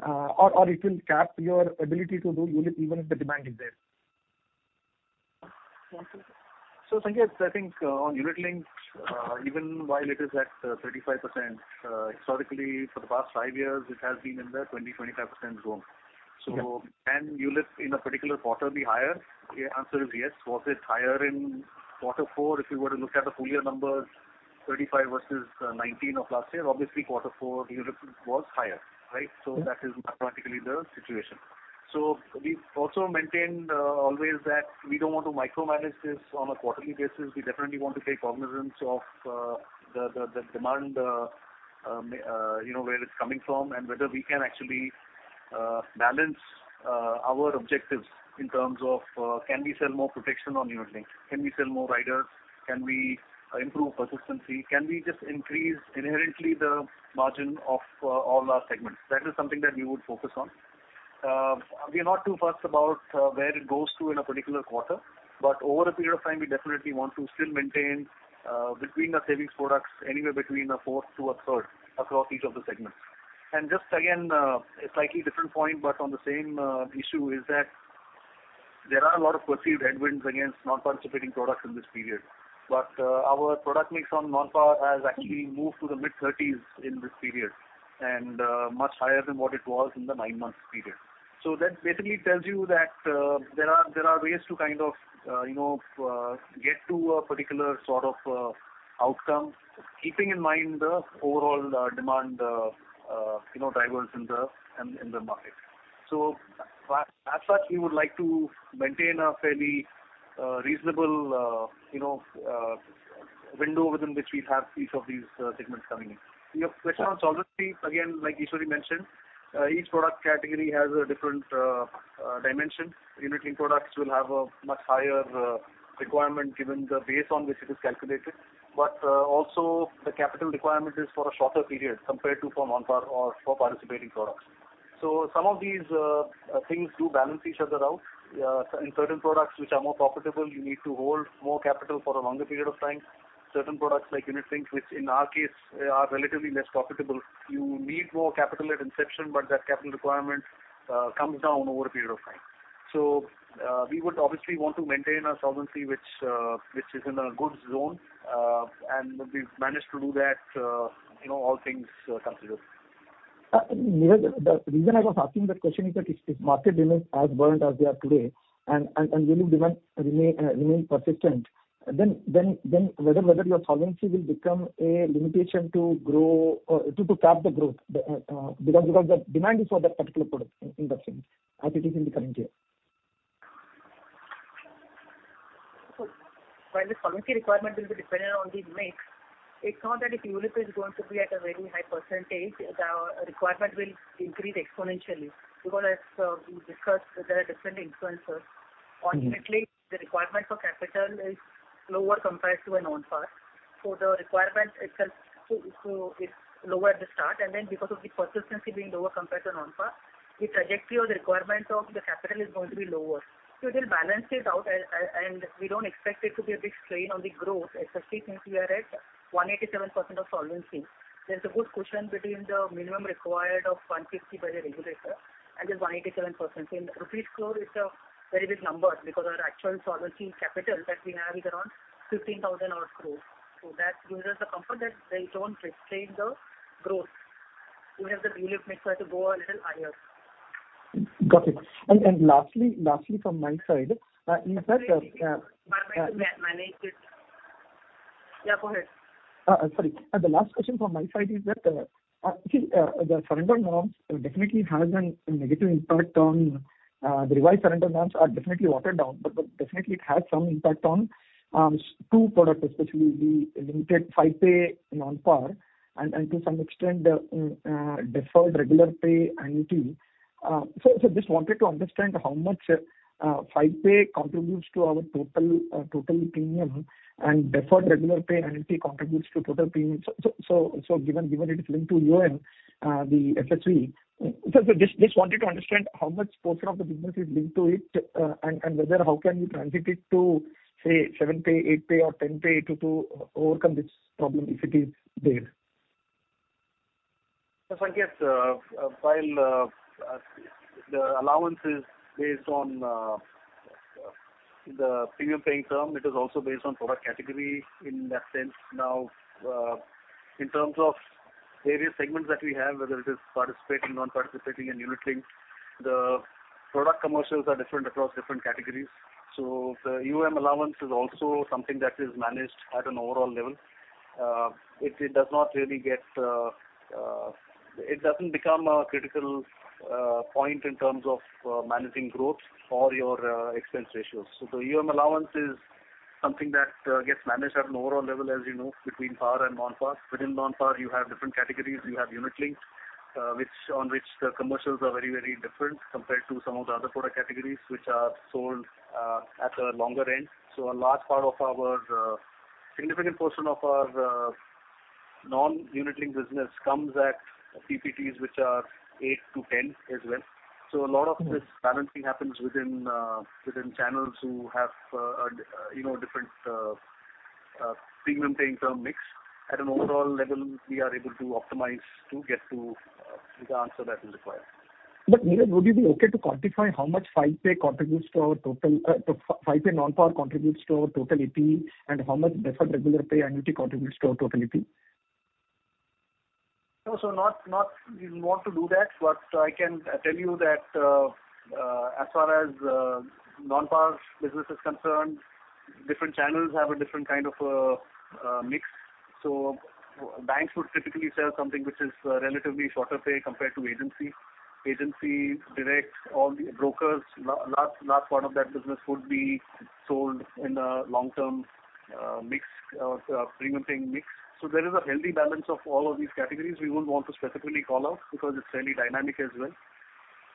or it will cap your ability to do ULIP even if the demand is there? So Sanketh, I think on ULIP mix, even while it is at 35%, historically, for the past 5 years, it has been in the 20%-25% zone. So can ULIP in a particular quarter be higher? The answer is yes. Was it higher in quarter four? If you were to look at the full-year numbers, 35% versus 19% of last year, obviously, quarter four, ULIP was higher, right? So that is not practically the situation. So we also maintained always that we don't want to micromanage this on a quarterly basis. We definitely want to take cognizance of the demand where it's coming from and whether we can actually balance our objectives in terms of can we sell more protection on ULIP links? Can we sell more riders? Can we improve persistency? Can we just increase inherently the margin of all our segments? That is something that we would focus on. We are not too fussed about where it goes to in a particular quarter. But over a period of time, we definitely want to still maintain between our savings products anywhere between a fourth to a third across each of the segments. And just again, a slightly different point, but on the same issue, is that there are a lot of perceived headwinds against non-participating products in this period. But our product mix on Non-par has actually moved to the mid-30s in this period and much higher than what it was in the nine-month period. So that basically tells you that there are ways to kind of get to a particular sort of outcome keeping in mind the overall demand drivers in the market. So as such, we would like to maintain a fairly reasonable window within which we have each of these segments coming in. Your question on solvency, again, like Eshwari mentioned, each product category has a different dimension. Unit-linked products will have a much higher requirement given the base on which it is calculated. But also, the capital requirement is for a shorter period compared to for Non-par or for participating products. So some of these things do balance each other out. In certain products, which are more profitable, you need to hold more capital for a longer period of time. Certain products like Unit links, which in our case are relatively less profitable, you need more capital at inception, but that capital requirement comes down over a period of time. So we would obviously want to maintain our solvency, which is in a good zone. And we've managed to do that, all things considered. Niraj, the reason I was asking that question is that if market demands as buoyant as they are today and ULIP demands remain persistent, then whether your solvency will become a limitation to cap the growth because the demand is for that particular product in that sense, as it is in the current year? So while the solvency requirement will be dependent on the mix, it's not that if ULIP is going to be at a very high percentage, the requirement will increase exponentially because, as we discussed, there are different influences. Ultimately, the requirement for capital is lower compared to a Non-par. So the requirement itself, so it's lower at the start. And then because of the persistency being lower compared to a Non-par, the trajectory of the requirement of the capital is going to be lower. So it will balance it out. And we don't expect it to be a big strain on the growth, especially since we are at 187% solvency. There's a good cushion between the minimum required of 150% by the regulator and the 187%. In rupees crore, it's a very big number because our actual solvency capital that we have is around 15,000-odd crore. So that gives us the comfort that they don't restrain the growth, even if the ULIP mix has to go a little higher. Got it. And lastly, from my side, is that? Sorry. Market to manage it. Yeah. Go ahead. Sorry. The last question from my side is that, see, the surrender norms definitely have a negative impact. The revised surrender norms are definitely watered down. But definitely, it has some impact on two products, especially the limited 5-Pay Non-par and to some extent, the deferred regular-pay annuity. So just wanted to understand how much 5-Pay contributes to our total premium and deferred regular-pay annuity contributes to total premium. So given it is linked to the FSV, so just wanted to understand how much portion of the business is linked to it and how can you transition it to, say, 7Pay, 8Pay, or 10Pay to overcome this problem if it is there? So Sanketh, while the allowance is based on the premium paying term, it is also based on product category in that sense. Now, in terms of various segments that we have, whether it is participating, non-participating, and unit links, the product commercials are different across different categories. So the allowance is also something that is managed at an overall level. It does not really become a critical point in terms of managing growth or your expense ratios. So the allowance is something that gets managed at an overall level, as you know, between par and Non-par. Within Non-par, you have different categories. You have unit links on which the commercials are very, very different compared to some of the other product categories, which are sold at a longer end. So a large part of our significant portion of our non-unit link business comes at PPTs, which are 8-10 as well. So a lot of this balancing happens within channels who have a different premium paying term mix. At an overall level, we are able to optimize to get to the answer that is required. But Niraj, would you be okay to quantify how much 5-Pay contributes to our total 5-Pay Non-par contributes to our total APE and how much deferred regular pay annuity contributes to our total APE? No. So we won't do that. But I can tell you that as far as Non-par business is concerned, different channels have a different kind of mix. So banks would typically sell something which is relatively shorter pay compared to agency. Agency, direct, all the brokers, large part of that business would be sold in a long-term premium paying mix. So there is a healthy balance of all of these categories. We won't want to specifically call out because it's fairly dynamic as well.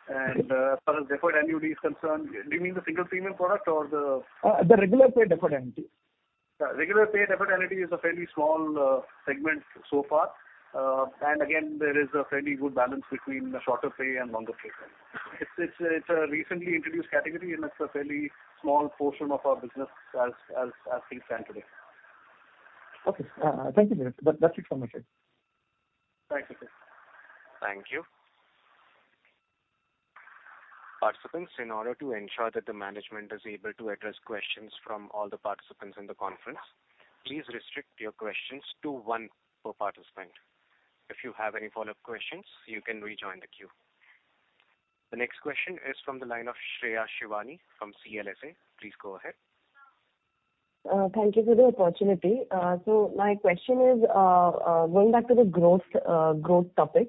And as far as deferred annuity is concerned, do you mean the single premium product or the? The regular pay deferred annuity. Regular pay deferred annuity is a fairly small segment so far. And again, there is a fairly good balance between shorter pay and longer pay. It's a recently introduced category, and it's a fairly small portion of our business as things stand today. Okay. Thank you, Niraj. That's it from my side. Thanks, Sanketh. Thank you. Participants, in order to ensure that the management is able to address questions from all the participants in the conference, please restrict your questions to one per participant. If you have any follow-up questions, you can rejoin the queue. The next question is from the line of Please go ahead. Thank you for the opportunity. So my question is going back to the growth topic.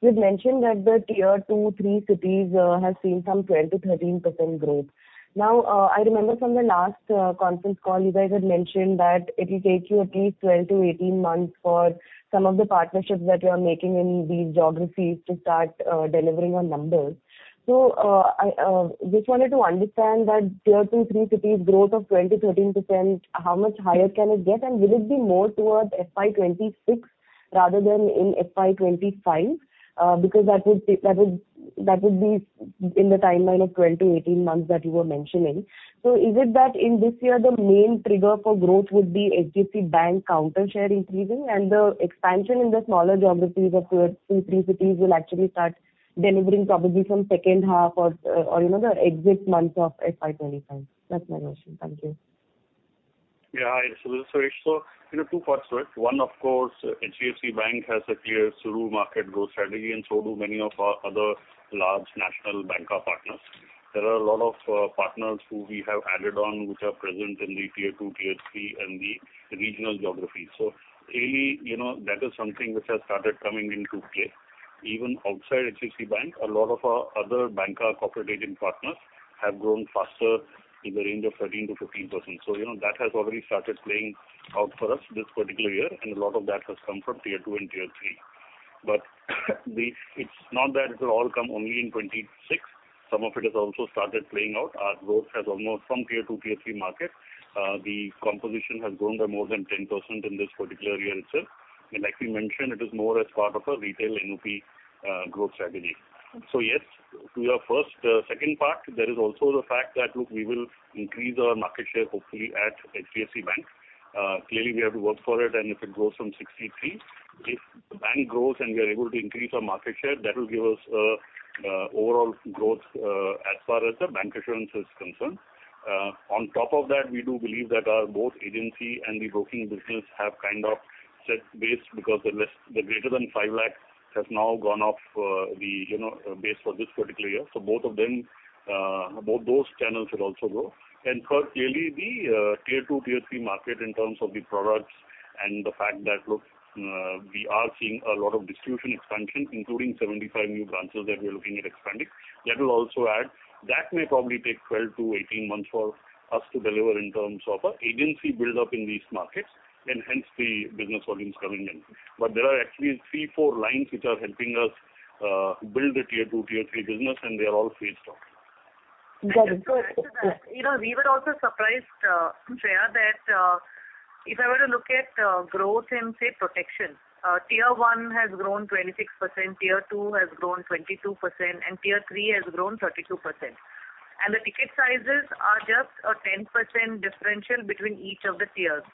You had mentioned that the tier two, three cities have seen some 12%-13% growth. Now, I remember from the last conference call, you guys had mentioned that it will take you at least 12-18 months for some of the partnerships that you are making in these geographies to start delivering on numbers. So I just wanted to understand that tier two, three cities growth of 12%-13%, how much higher can it get? Will it be more towards FY26 rather than in FY25 because that would be in the timeline of 12 to 18 months that you were mentioning? So is it that in this year, the main trigger for growth would be HDFC Bank counter-share increasing and the expansion in the smaller geographies of 2, 3 cities will actually start delivering probably from second half or the exit months of FY25? That's my question. Thank you. Yeah. Hi. So this is Suresh. So two parts, right? One, of course, HDFC Bank has a clear SURU market growth strategy, and so do many of our other large national banca partners. There are a lot of partners who we have added on which are present in the tier two, tier three, and the regional geographies. So clearly, that is something which has started coming into play. Even outside HDFC Bank, a lot of our other banca corporate agent partners have grown faster in the range of 13%-15%. So that has already started playing out for us this particular year. And a lot of that has come from tier two and tier three. But it's not that it will all come only in 2026. Some of it has also started playing out. Our growth has almost from tier two, tier three market. The composition has grown by more than 10% in this particular year itself. And like we mentioned, it is more as part of a retail NOP growth strategy. So yes, to your second part, there is also the fact that, look, we will increase our market share, hopefully, at HDFC Bank. Clearly, we have to work for it. And if it grows from 63, if the bank grows and we are able to increase our market share, that will give us overall growth as far as the bancassurance is concerned. On top of that, we do believe that our both agency and the broking business have kind of set base because the greater than 5 lakh has now gone off the base for this particular year. So both of them, both those channels will also grow. And third, clearly, the tier two, tier three market in terms of the products and the fact that, look, we are seeing a lot of distribution expansion, including 75 new branches that we are looking at expanding, that will also add. That may probably take 12-18 months for us to deliver in terms of an agency buildup in these markets and hence the business volumes coming in. But there are actually three, four lines which are helping us build the tier two, tier three business, and they are all phased out. Got it. So we were also surprised, Shreya, that if I were to look at growth in, say, protection, tier one has grown 26%, tier two has grown 22%, and tier three has grown 32%. And the ticket sizes are just a 10% differential between each of the tiers,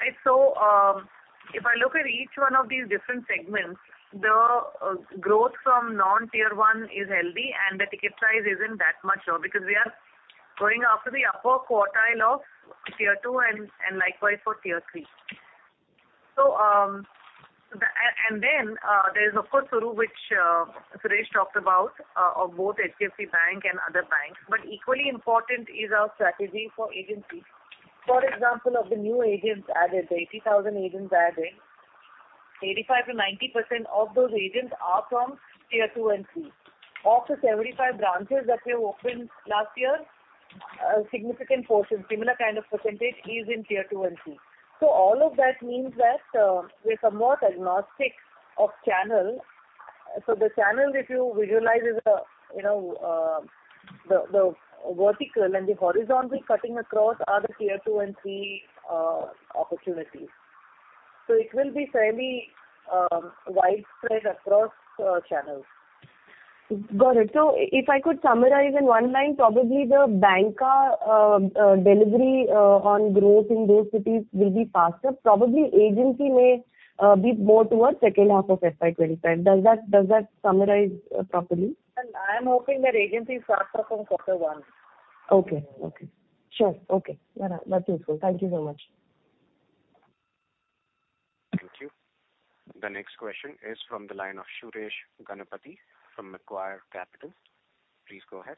right? So if I look at each one of these different segments, the growth from non-tier one is healthy, and the ticket size isn't that much because we are going after the upper quartile of tier two and likewise for tier three. And then there is, of course, SURU which Suresh talked about, of both HDFC Bank and other banks. But equally important is our strategy for agency. For example, of the new agents added, the 80,000 agents added, 85%-90% of those agents are from tier two and three. Of the 75 branches that we have opened last year, a significant portion, similar kind of percentage, is in tier two and three. So all of that means that we're somewhat agnostic of channel. So the channel, if you visualize, is the vertical and the horizontal cutting across are the tier two and three opportunities. So it will be fairly widespread across channels. Got it. So if I could summarize in one line, probably the BANbancadelivery on growth in those cities will be faster. Probably agency may be more towards second half of FY25. Does that summarize properly? And I am hoping that agency is faster from quarter one. Okay. Okay. Sure. Okay. That's useful. Thank you so much. Thank you. The next question is from the line of Suresh Ganapathy from Macquarie Capital. Please go ahead.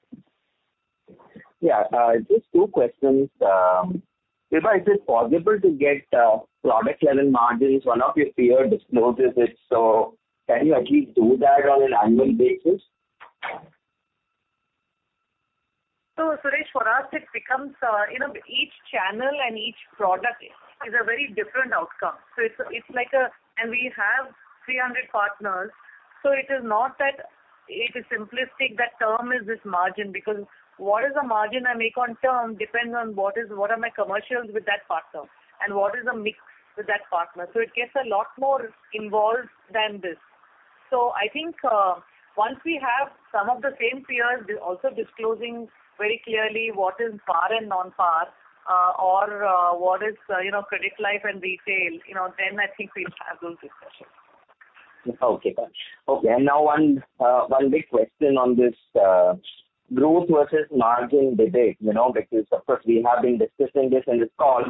Yeah. Just two questions. Niraj, is it possible to get product-level margins? One of your peers discloses it. So can you at least do that on an annual basis? So Suresh, for us, it becomes each channel and each product is a very different outcome. So it's like a and we have 300 partners. So it is not that it is simplistic that term is this margin because what is the margin I make on term depends on what are my commercials with that partner and what is the mix with that partner. So it gets a lot more involved than this. So I think once we have some of the same fears, also disclosing very clearly what is par and Non-par or what is credit life and retail, then I think we'll have those discussions. Okay. Got it. Okay. And now one big question on this growth versus margin debate because, of course, we have been discussing this in this call.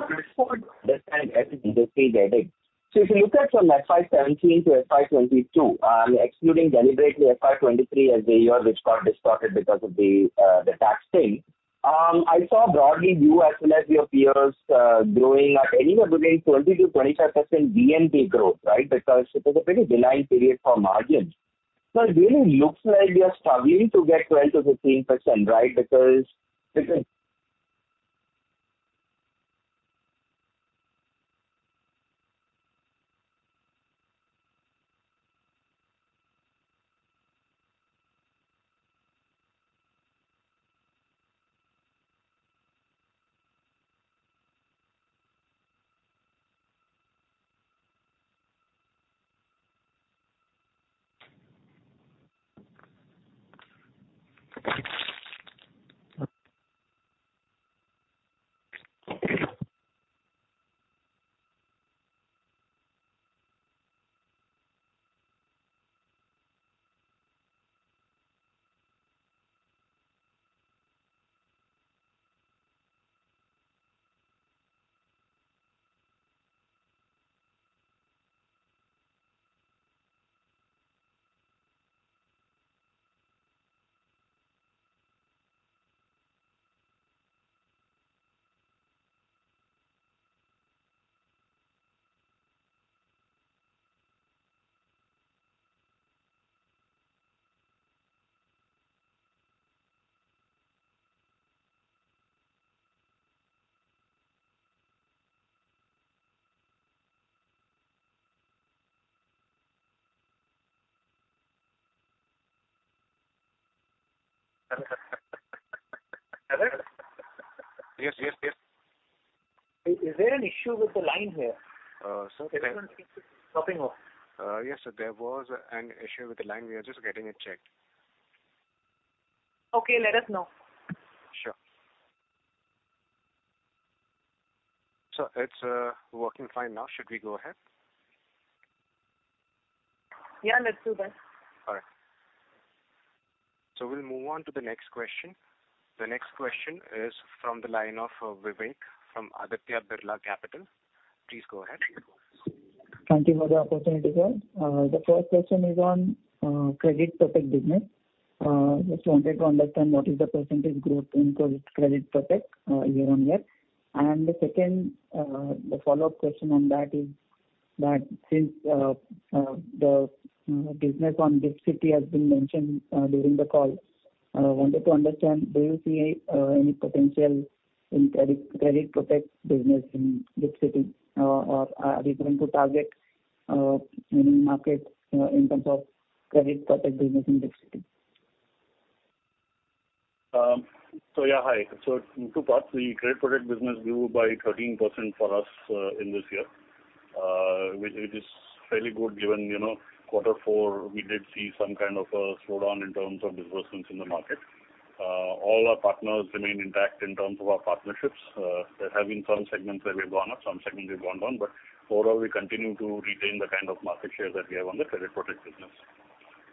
Different strategic debate? So if you look at from FY17 to FY22, excluding deliberately FY23 as the year which got distorted because of the tax thing, I saw broadly you as well as your peers growing at anywhere between 20%-25% VNB growth, right, bee it was a pretty benign period for margins. So it really looks like you're struggling to get 12%-15%, right, because Hello? Yes. Yes. Yes. Is there an issue with the line here? Sorry. Everyone seems to be dropping off. Yes. There was an issue with the line. We are just getting it checked. Okay. Let us know. Sure. So it's working fine now. Should we go ahead? Yeah. Let's do that. All right. So we'll move on to the next question. The next question is from the line of Vivek from Aditya Birla Capital. Please go ahead. Thank you for the opportunity, sir. The first question is on credit protect business. Just wanted to understand what is the percentage growth in credit protect year-on-year. And the second, the follow-up question on that is that since the business on GIFT City has been mentioned during the call, wanted to understand, do you see any potential in credit protect business in GIFT City, or are we going to target any market in terms of credit protect business in GIFT City? So yeah. Hi. So in two parts, the credit protect business grew by 13% for us in this year, which is fairly good given quarter four, we did see some kind of a slowdown in terms of disbursements in the market. All our partners remain intact in terms of our partnerships. There have been some segments that we have gone up, some segments we have gone down. But overall, we continue to retain the kind of market share that we have on the credit protect business.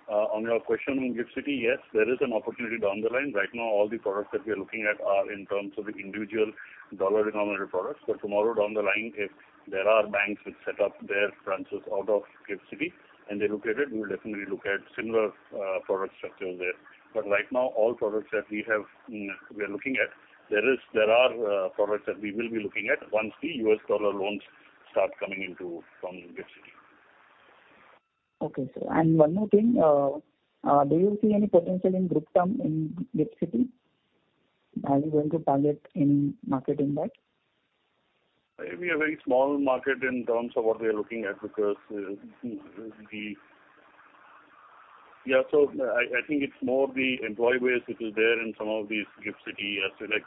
On your question on GIFT City, yes, there is an opportunity down the line. Right now, all the products that we are looking at are in terms of the individual dollar denominated products. But tomorrow, down the line, if there are banks which set up their branches out of GIFT City and they look at it, we will definitely look at similar product structures there. But right now, all products that we are looking at, there are products that we will be looking at once the US dollar loans start coming into from GIFT City. Okay, sir. And one more thing. Do you see any potential in group term in GIFT City, and are you going to target any market in that? We are a very small market in terms of what we are looking at because the yeah. So I think it's more the employee-based. It is there in some of these GIFT City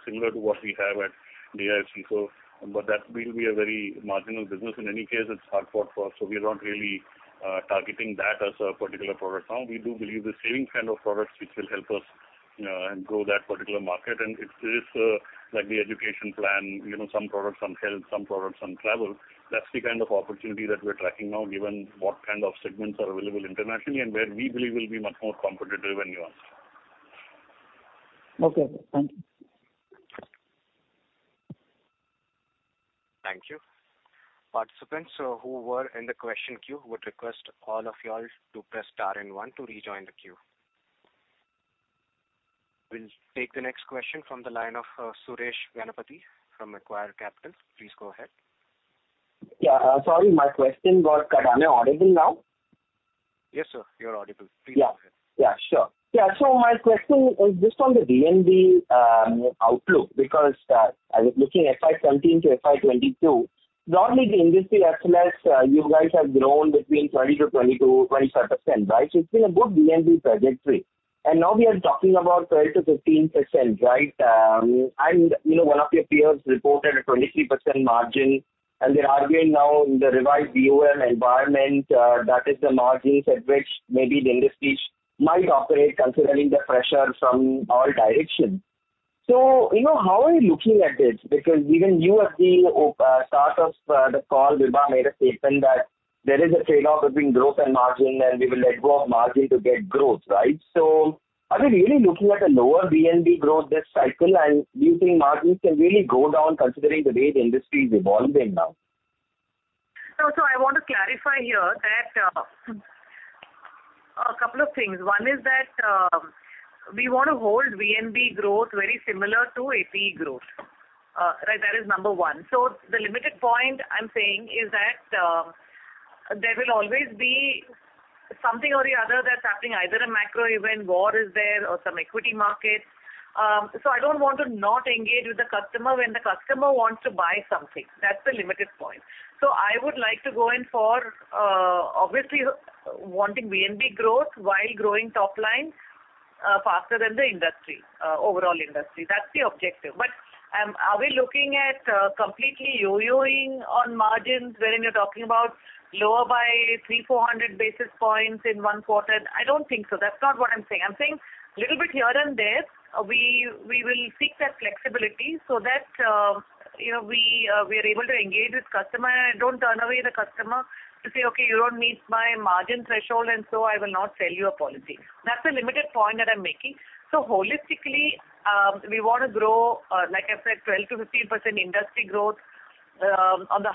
similar to what we have at DIFC. But that will be a very marginal business. In any case, it's hard for us. So we are not really targeting that as a particular product now. We do believe the savings kind of products which will help us grow that particular market. It is like the education plan, some products on health, some products on travel. That's the kind of opportunity that we are tracking now given what kind of segments are available internationally and where we believe will be much more competitive and nuanced. Okay, sir. Thank you. Thank you. Participants who were in the question queue would request all of you all to press star and one to rejoin the queue. We'll take the next question from the line of Suresh Ganapathy from Macquarie Capital. Please go ahead. Yeah. Sorry. My question got cut out. Am I audible now? Yes, sir. You're audible. Please go ahead. Yeah. Yeah. Sure. Yeah. My question is just on the VNB outlook because as we're looking FY17 to FY22, broadly, the industry as well as you guys have grown between 20%-25%, right? It's been a good VNB trajectory. Now we are talking about 12%-15%, right? One of your peers reported a 23% margin. They're arguing now in the revised VNB environment that is the margins at which maybe the industry might operate considering the pressure from all directions. How are you looking at this? Because even you at the start of the call, Vibha, made a statement that there is a trade-off between growth and margin, and we will let go of margin to get growth, right? Are we really looking at a lower VNB growth this cycle, and do you think margins can really go down considering the way the industry is evolving now? No. I want to clarify here a couple of things. One is that we want to hold VNB growth very similar to APE growth, right? That is number one. So the limited point I'm saying is that there will always be something or the other that's happening, either a macro event, war is there, or some equity market. So I don't want to not engage with the customer when the customer wants to buy something. That's the limited point. So I would like to go in for obviously wanting VNB growth while growing top line faster than the overall industry. That's the objective. But are we looking at completely yo-yoing on margins wherein you're talking about lower by 300-400 basis points in one quarter? I don't think so. That's not what I'm saying. I'm saying a little bit here and there, we will seek that flexibility so that we are able to engage with customer. Don't turn away the customer to say, "Okay. You don't meet my margin threshold, and so I will not sell you a policy." That's the limited point that I'm making. So holistically, we want to grow, like I said, 12%-15% industry growth. On the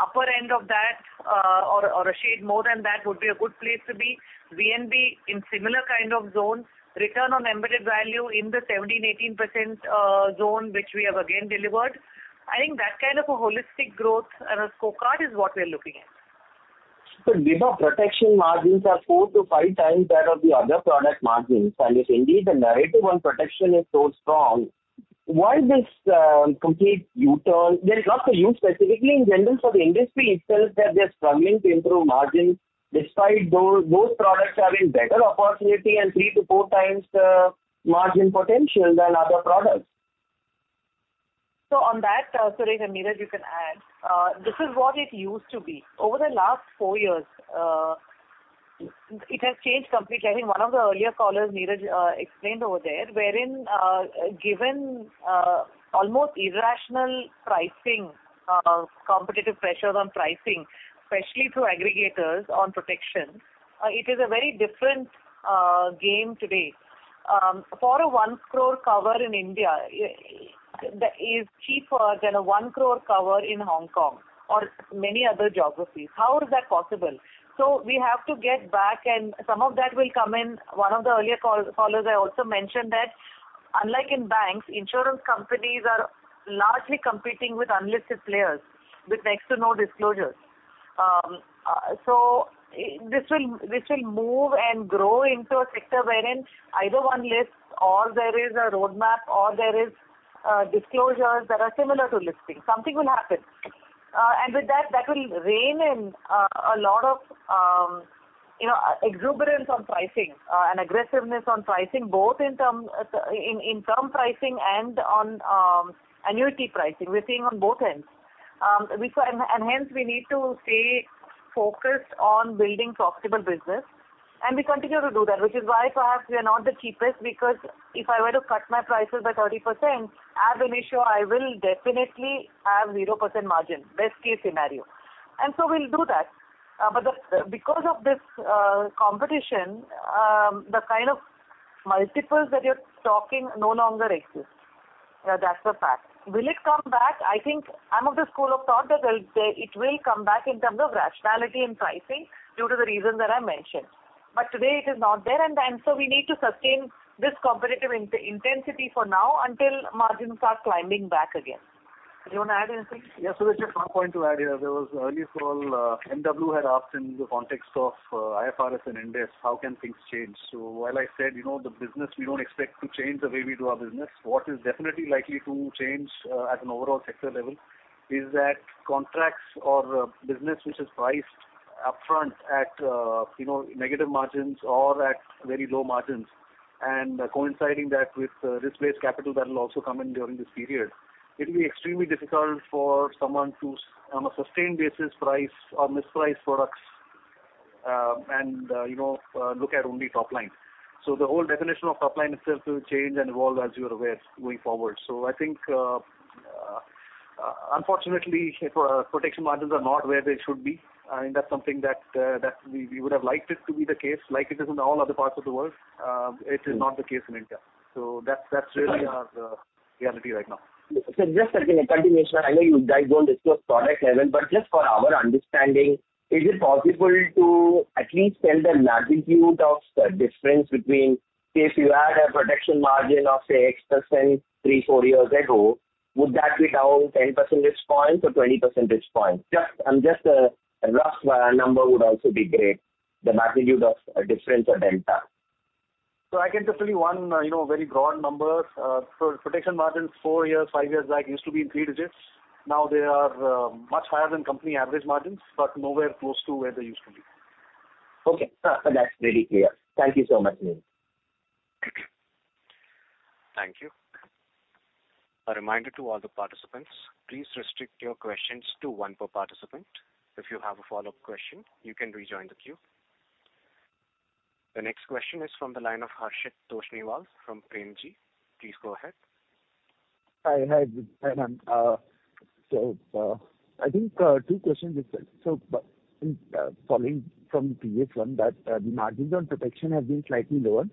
upper end of that or a shade more than that would be a good place to be. VNB in similar kind of zone, return on embedded value in the 17%-18% zone which we have, again, delivered. I think that kind of a holistic growth and a score card is what we are looking at. So Vibha, protection margins are 4-5 times that of the other product margins. And if indeed the narrative on protection is so strong, why this complete U-turn? Not for you specifically. In general, for the industry itself that they're struggling to improve margins despite those products having better opportunity and 3-4 times margin potential than other products. So on that, Suresh and Niraj, you can add. This is what it used to be. Over the last 4 years, it has changed completely. I think one of the earlier callers, Niraj, explained over there wherein given almost irrational competitive pressures on pricing, especially through aggregators on protection, it is a very different game today. For a 1 crore cover in India, it is cheaper than a 1 crore cover in Hong Kong or many other geographies. How is that possible? So we have to get back, and some of that will come in. One of the earlier callers also mentioned that unlike in banks, insurance companies are largely competing with unlisted players with next-to-no disclosures. So this will move and grow into a sector wherein either one lists or there is a roadmap or there is disclosures that are similar to listing. Something will happen. With that, that will rein in a lot of exuberance on pricing and aggressiveness on pricing, both in term pricing and on annuity pricing. We're seeing on both ends. Hence, we need to stay focused on building profitable business. We continue to do that, which is why perhaps we are not the cheapest because if I were to cut my prices by 30%, as an insurer, I will definitely have 0% margin, best-case scenario. We'll do that. But because of this competition, the kind of multiples that you're talking no longer exist. That's a fact. Will it come back? I think I'm of the school of thought that it will come back in terms of rationality in pricing due to the reasons that I mentioned. But today, it is not there. And so we need to sustain this competitive intensity for now until margins start climbing back again. Do you want to add anything? Yeah. So there's just one point to add here. There was earlier call. MW had asked in the context of IFRS and Ind AS, how can things change? So while I said the business, we don't expect to change the way we do our business. What is definitely likely to change at an overall sector level is that contracts or business which is priced upfront at negative margins or at very low margins and coinciding that with risk-based capital that will also come in during this period. It will be extremely difficult for someone to, on a sustained basis, price or misprice products and look at only top line. So the whole definition of top line itself will change and evolve, as you are aware, going forward. So I think, unfortunately, protection margins are not where they should be. I mean, that's something that we would have liked it to be the case. Like it is in all other parts of the world, it is not the case in India. So that's really our reality right now. So just as a continuation, I know you guys won't discuss product level, but just for our understanding, is it possible to at least tell the magnitude of the difference between, say, if you had a protection margin of, say, X% 3, 4 years ago, would that be down 10 percentage points or 20 percentage points? I'm just a rough number would also be great, the magnitude of difference or delta. So I can just tell you one very broad number. So protection margins 4 years, 5 years back used to be in three digits. Now, they are much higher than company average margins but nowhere close to where they used to be. Okay. That's really clear. Thank you so much, Niraj. Thank you. A reminder to all the participants, please restrict your questions to one per participant. If you have a follow-up question, you can rejoin the queue. The next question is from the line of Harshit Toshniwal from Premji Invest. Please go ahead. Hi. Hi, Madam. So I think two questions just said. So following from the previous one, that the margins on protection have been slightly lower.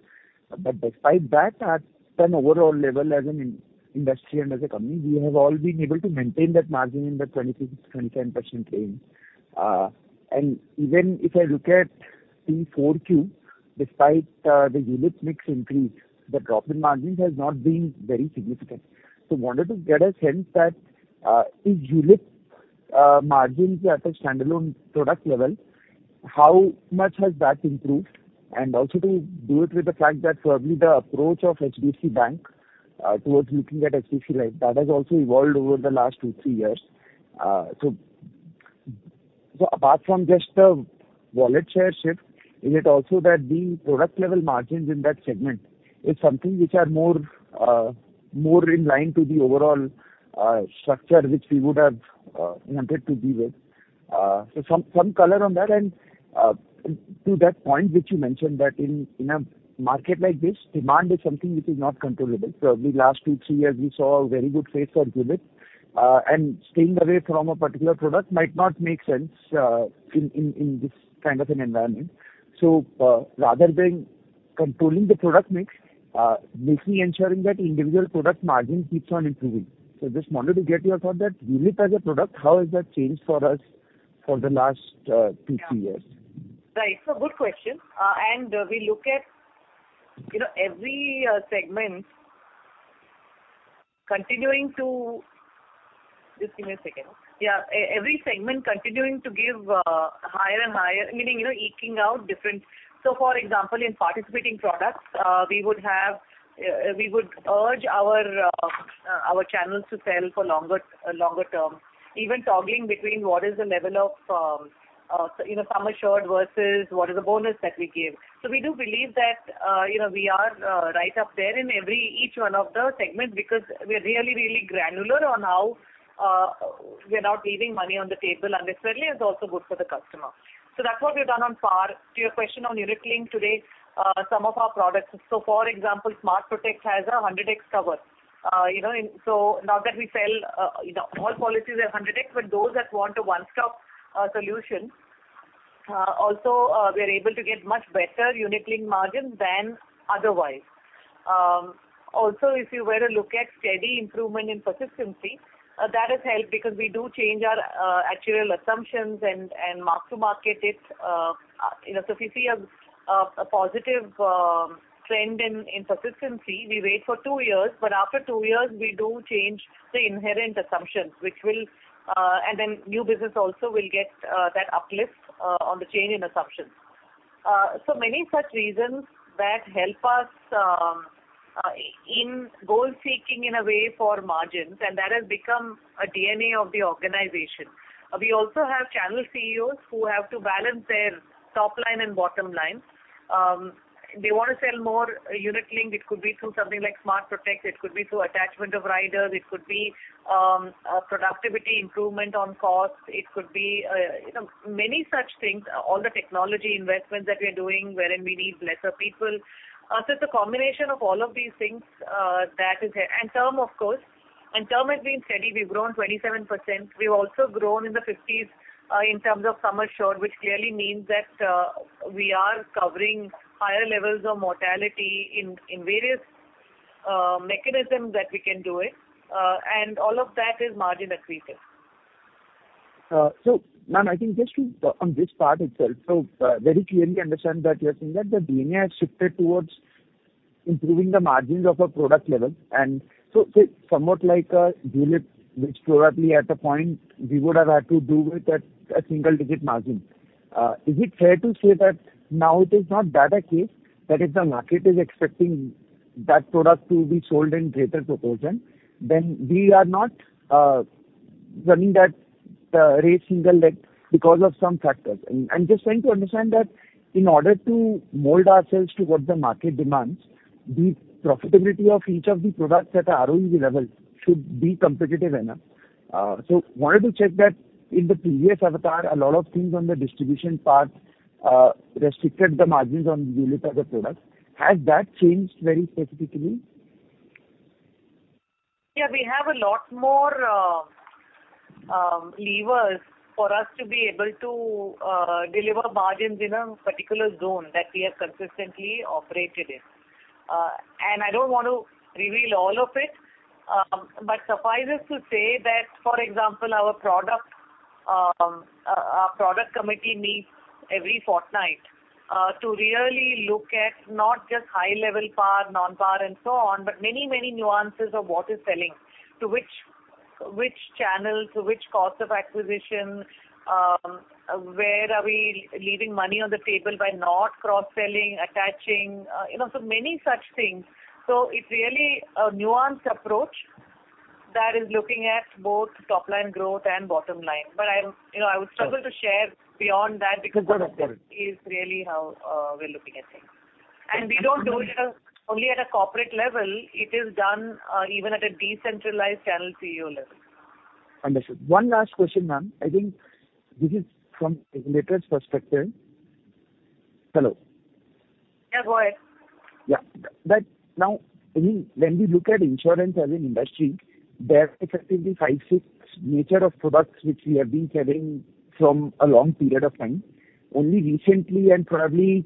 But despite that, at an overall level as an industry and as a company, we have all been able to maintain that margin in the 25%-27% range. And even if I look at 4Q, despite the ULIP mix increase, the drop in margins has not been very significant. So wanted to get a sense that if ULIP margins are at a standalone product level, how much has that improved? And also to do it with the fact that probably the approach of HDFC Bank towards looking at HDFC Life, that has also evolved over the last two, three years. So apart from just the wallet share shift, is it also that the product-level margins in that segment is something which are more in line to the overall structure which we would have wanted to be with? So some color on that and to that point which you mentioned, that in a market like this, demand is something which is not controllable. Probably last two, three years, we saw a very good phase for ULIP. And staying away from a particular product might not make sense in this kind of an environment. So rather than controlling the product mix, making sure that individual product margin keeps on improving. So just wanted to get your thought that ULIP as a product, how has that changed for us for the last two, three years? Right. So good question. And we look at every segment continuing to just give me a second. Yeah. Every segment continuing to give higher and higher, meaning eking out differences so for example, in participating products, we would urge our channels to sell for longer term, even toggling between what is the level of sum assured versus what is the bonus that we give. So we do believe that we are right up there in each one of the segments because we are really, really granular on how we are not leaving money on the table, and this certainly is also good for the customer. So that's what we've done on par. To your question on unit link today, some of our products so for example, Smart Protect has a 100x cover. So now that we sell all policies at 100x, but those that want a one-stop solution, also, we are able to get much better unit link margins than otherwise. Also, if you were to look at steady improvement in persistency, that has helped because we do change our actual assumptions and mark to market it. So if you see a positive trend in persistency, we wait for two years. But after two years, we do change the inherent assumptions which will, and then new business also will get that uplift on the change in assumptions. So many such reasons that help us in goal-seeking in a way for margins, and that has become a DNA of the organization. We also have channel CEOs who have to balance their top line and bottom line. They want to sell more unit link. It could be through something like Smart Protect. It could be through attachment of riders. It could be productivity improvement on cost. It could be many such things, all the technology investments that we are doing wherein we need lesser people. So it's a combination of all of these things that is in term, of course. And term has been steady. We've grown 27%. We've also grown in the 50s in terms of sum assured, which clearly means that we are covering higher levels of mortality in various mechanisms that we can do it. And all of that is margin accretive. So ma'am, I think just on this part itself, so very clearly understand that you're saying that the DNA has shifted towards improving the margins of a product level. And so say somewhat like a ULIP, which probably at a point, we would have had to do with a single-digit margin. Is it fair to say that now it is not that a case that if the market is expecting that product to be sold in greater proportion, then we are not running that race single leg because of some factors? And just trying to understand that in order to mold ourselves to what the market demands, the profitability of each of the products at the ROE level should be competitive enough. So wanted to check that in the previous avatar, a lot of things on the distribution part restricted the margins on ULIP as a product. Has that changed very specifically? Yeah. We have a lot more levers for us to be able to deliver margins in a particular zone that we have consistently operated in. And I don't want to reveal all of it. Suffices to say that, for example, our product committee meets every fortnight to really look at not just high-level par, Non-par, and so on, but many, many nuances of what is selling, to which channel, to which cost of acquisition, where are we leaving money on the table by not cross-selling, attaching, so many such things. So it's really a nuanced approach that is looking at both top line growth and bottom line. But I would struggle to share beyond that because that is really how we're looking at things. We don't do it only at a corporate level. It is done even at a decentralized channel CEO level. Understood. One last question, ma'am. I think this is from a later perspective. Hello? Yeah. Go ahead. Yeah. Now, I mean, when we look at insurance as an industry, there are effectively five, six nature of products which we have been selling from a long period of time. Only recently and probably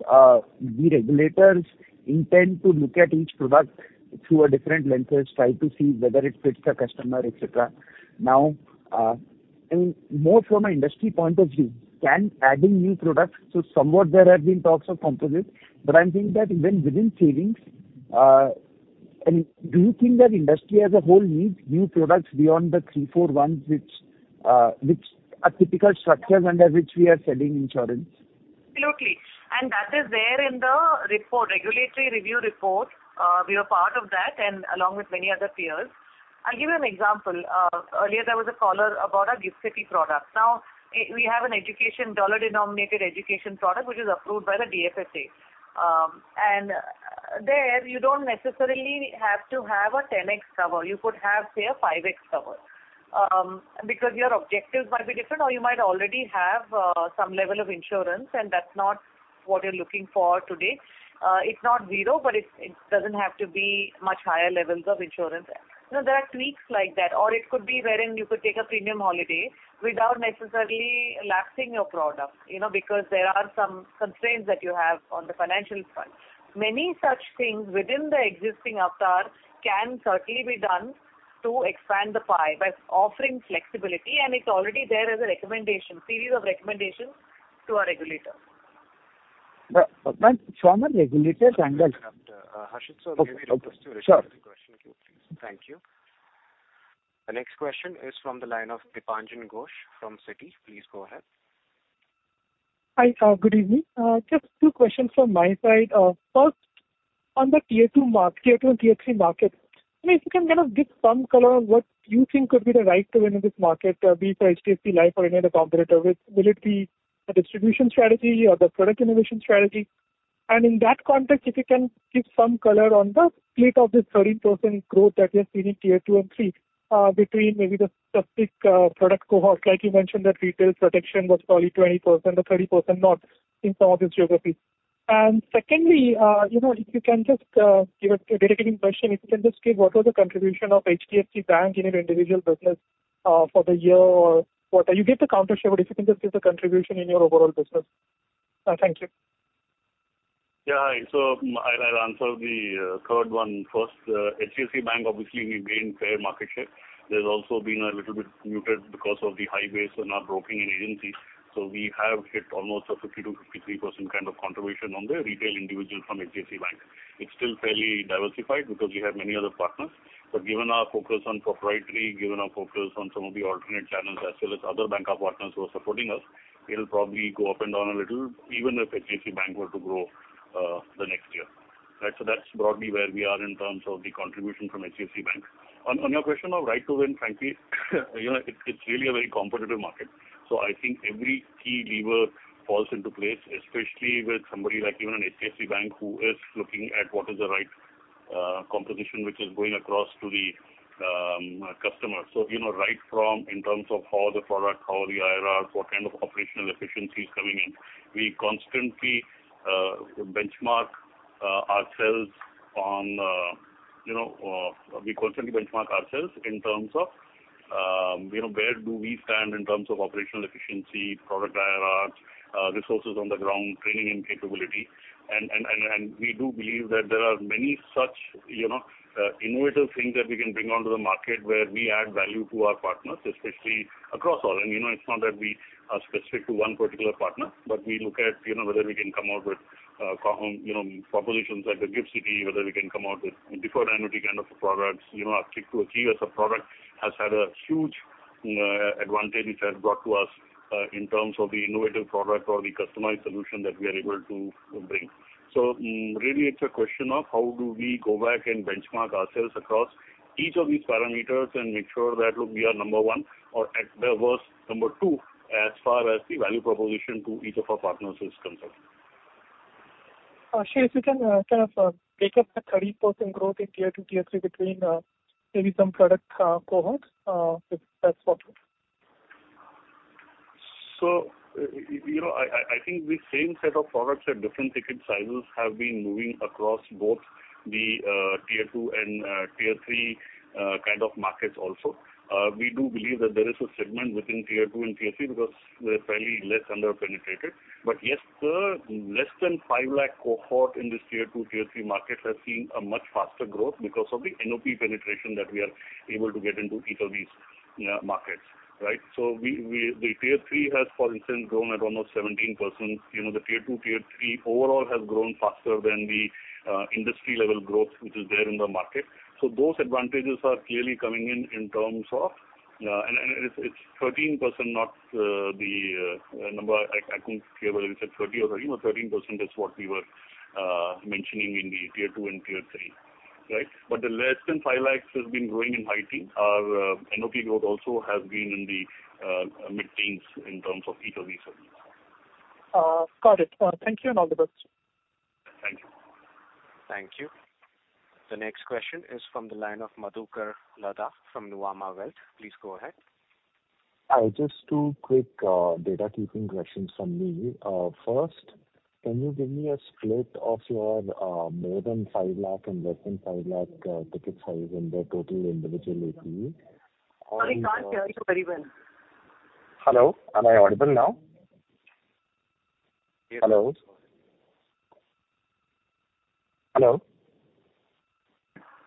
the regulators intend to look at each product through a different lenses, try to see whether it fits the customer, etc. Now, I mean, more from an industry point of view, can adding new products so somewhat there have been talks of composites. But I'm thinking that even within savings I mean, do you think that industry as a whole needs new products beyond the three, four ones which are typical structures under which we are selling insurance? Absolutely. And that is there in the regulatory review report. We are part of that along with many other peers. I'll give you an example. Earlier, there was a caller about a GIFT City product. Now, we have a dollar-denominated education product which is approved by the DFSA. And there, you don't necessarily have to have a 10x cover. You could have, say, a 5x cover because your objectives might be different, or you might already have some level of insurance, and that's not what you're looking for today. It's not zero, but it doesn't have to be much higher levels of insurance. There are tweaks like that. Or it could be wherein you could take a premium holiday without necessarily lapsing your product because there are some constraints that you have on the financial front. Many such things within the existing avatar can certainly be done to expand the pie by offering flexibility. And it's already there as a series of recommendations to our regulators. Ma'am, from a regulator's angle Harshit, so give me just two or three questions, if you would, please. Thank you. The next question is from the line of. Please go ahead. Hi. Good evening. Just two questions from my side. First, on the tier two and tier three markets, I mean, if you can kind of give some color on what you think could be the right to win in this market, be it for HDFC Life or any other competitor, will it be a distribution strategy or the product innovation strategy? And in that context, if you can give some color on the plate of this 13% growth that we are seeing in tier two and three between maybe the specific product cohort, like you mentioned that retail protection was probably 20% or 30% not in some of these geographies. And secondly, if you can just give a dedicated question, if you can just give what was the contribution of HDFC Bank in your individual business for the year or what you give the counter-share, but if you can just give the contribution in your overall business. Thank you. Yeah. Hi. So I'll answer the third one first. HDFC Bank, obviously, we gained fair market share. There's also been a little bit muted because of the high base and our broking and agency. So we have hit almost a 52%-53% kind of contribution on the retail individual from HDFC Bank. It's still fairly diversified because we have many other partners. But given our focus on proprietary, given our focus on some of the alternate channels as well as other bank of partners who are supporting us, it'll probably go up and down a little even if HDFC Bank were to grow the next year. Right? So that's broadly where we are in terms of the contribution from HDFC Bank. On your question of right to win, frankly, it's really a very competitive market. So I think every key lever falls into place, especially with somebody like even an HDFC Bank who is looking at what is the right composition which is going across to the customer. So right from in terms of how the product, how the IRR, what kind of operational efficiency is coming in, we constantly benchmark ourselves on we constantly benchmark ourselves in terms of where do we stand in terms of operational efficiency, product IRR, resources on the ground, training and capability. And we do believe that there are many such innovative things that we can bring onto the market where we add value to our partners, especially across all. And it's not that we are specific to one particular partner, but we look at whether we can come out with propositions like GIFT City, whether we can come out with deferred annuity kind of products. Click 2 Achieve as a product has had a huge advantage which has brought to us in terms of the innovative product or the customized solution that we are able to bring. So really, it's a question of how do we go back and benchmark ourselves across each of these parameters and make sure that, look, we are number one or at the worst, number two as far as the value proposition to each of our partners is concerned. Shreyas, you can kind of break up the 30% growth in tier two, tier three between maybe some product cohorts if that's what you. So I think the same set of products at different ticket sizes have been moving across both the tier two and tier three kind of markets also. We do believe that there is a segment within tier two and tier three because they're fairly less underpenetrated. But yes, the less than 5 lakh cohort in this Tier 2, Tier 3 market has seen a much faster growth because of the NOP penetration that we are able to get into each of these markets. Right? So the Tier 3 has, for instance, grown at almost 17%. The Tier 2, Tier 3 overall has grown faster than the industry-level growth which is there in the market. So those advantages are clearly coming in in terms of and it's 13%, not the number I couldn't hear whether you said 30 or 30, but 13% is what we were mentioning in the Tier 2 and Tier 3. Right? But the less than 5 lakhs has been growing in high teens. Our NOP growth also has been in the mid-teens in terms of each of these segments. Got it. Thank you and all the best. Thank you. Thank you. The next question is from the line of Madhukar Ladha from Nuvama Wealth. Please go ahead. Hi. Just two quick housekeeping questions from me. First, can you give me a split of your more than 5 lakh and less than 5 lakh ticket size in the total individual APE? Sorry, can't hear you very well. Hello. Am I audible now? Yes. Hello. Hello.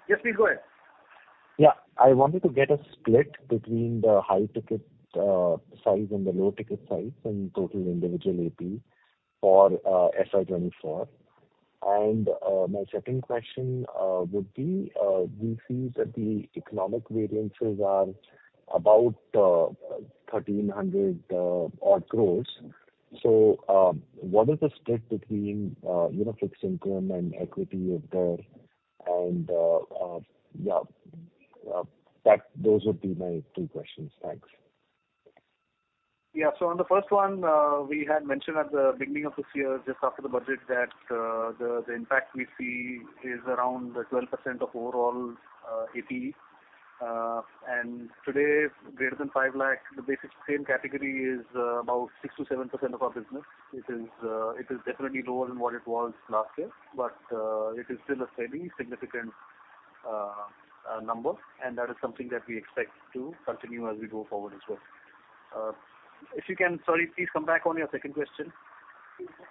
Yes. Please go ahead. Yeah. I wanted to get a split between the high ticket size and the low ticket size in total individual APE for FY24. And my second question would be we see that the economic variances are about 1,300 crore. So what is the split between fixed income and equity of there? And yeah, those would be my two questions. Thanks. Yeah. So on the first one, we had mentioned at the beginning of this year, just after the budget, that the impact we see is around 12% of overall APE. And today, greater than 5 lakh, the basic same category is about 6%-7% of our business. It is definitely lower than what it was last year, but it is still a fairly significant number. And that is something that we expect to continue as we go forward as well. If you can sorry, please come back on your second question.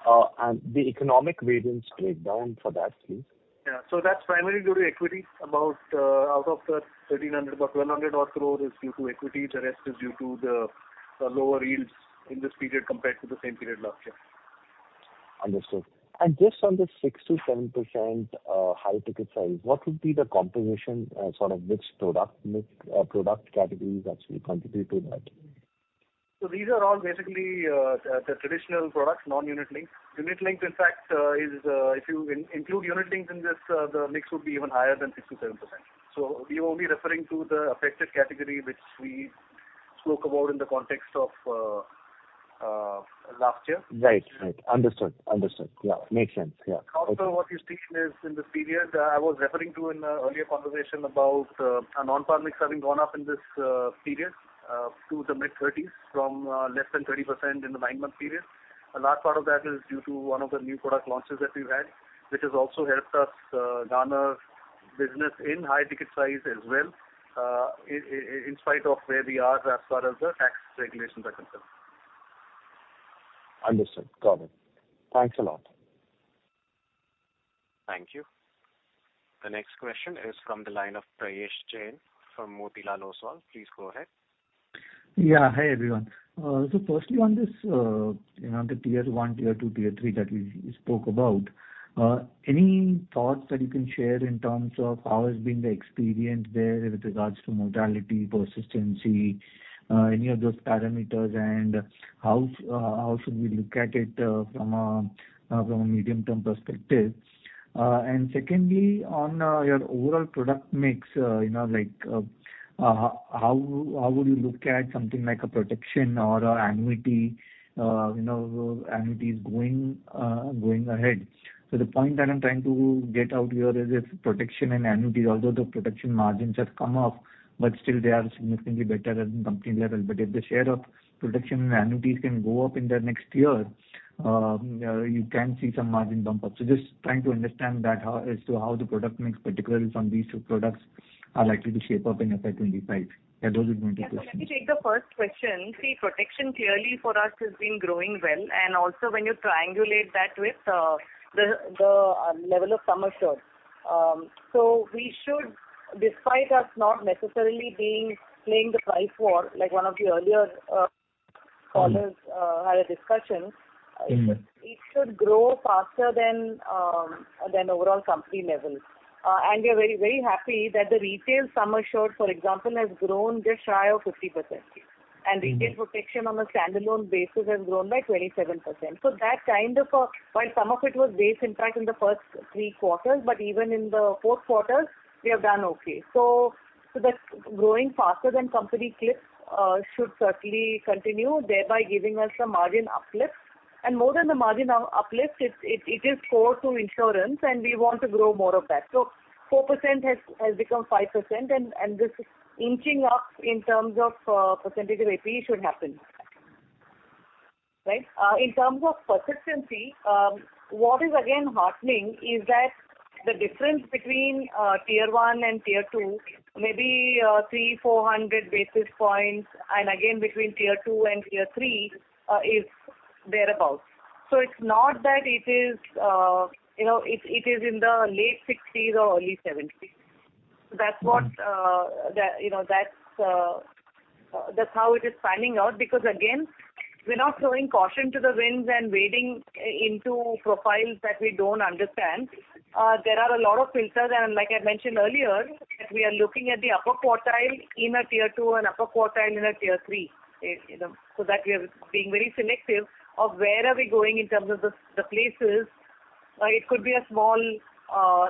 The economic variance breakdown for that, please. Yeah. So that's primarily due to equity. Out of the 1,300 crore, about 1,200 crore is due to equity. The rest is due to the lower yields in this period compared to the same period last year. Understood. Just on the 6%-7% high ticket size, what would be the composition sort of mix of product categories actually contribute to that? So these are all basically the traditional products, non-unit-linked. Unit-linked, in fact, is if you include unit-linked in this, the mix would be even higher than 6%-7%. So we are only referring to the non-par category which we spoke about in the context of last year. Right. Right. Understood. Understood. Yeah. Makes sense. Yeah. Also, what you've seen is in this period I was referring to in an earlier conversation about non-pars having gone up in this period to the mid-30s% from less than 30% in the nine-month period. A large part of that is due to one of the new product launches that we've had, which has also helped us garner business in high ticket size as well in spite of where we are as far as the tax regulations are concerned. Understood. Got it. Thanks a lot. Thank you. The next question is from the line of Prayesh Jain from Motilal Oswal. Please go ahead. Yeah. Hi, everyone. So firstly, on the tier one, tier two, tier three that we spoke about, any thoughts that you can share in terms of how has been the experience there with regards to mortality, persistency, any of those parameters, and how should we look at it from a medium-term perspective? And secondly, on your overall product mix, how would you look at something like a protection or an annuity's going ahead? So the point that I'm trying to get out here is if protection and annuities, although the protection margins have come up, but still, they are significantly better at the company level. But if the share of protection and annuities can go up in the next year, you can see some margin bump up. So just trying to understand that as to how the product mix, particularly from these two products, are likely to shape up in FY25. Yeah. Those are the two questions. Yeah. So let me take the first question. See, protection clearly for us has been growing well. And also, when you triangulate that with the level of sum assured, so despite us not necessarily playing the price war, like one of the earlier callers had a discussion, it should grow faster than overall company level. We are very, very happy that the retail sum assured, for example, has grown just shy of 50%. And retail protection on a standalone basis has grown by 27%. So that kind of while some of it was base, in fact, in the first three quarters, but even in the fourth quarter, we have done okay. So the growing faster than company mix should certainly continue, thereby giving us some margin uplift. And more than the margin uplift, it is core to insurance, and we want to grow more of that. So 4% has become 5%, and this inching up in terms of percentage of APE should happen. Right? In terms of persistency, what is, again, heartening is that the difference between tier one and tier two, maybe 300-400 basis points, and again, between tier two and tier three is thereabouts. So it's not that it is in the late 60s or early 70s. So that's what that's how it is panning out because, again, we're not throwing caution to the winds and wading into profiles that we don't understand. There are a lot of filters. And like I mentioned earlier, we are looking at the upper quartile in a tier two and upper quartile in a tier three so that we are being very selective of where are we going in terms of the places. It could be a small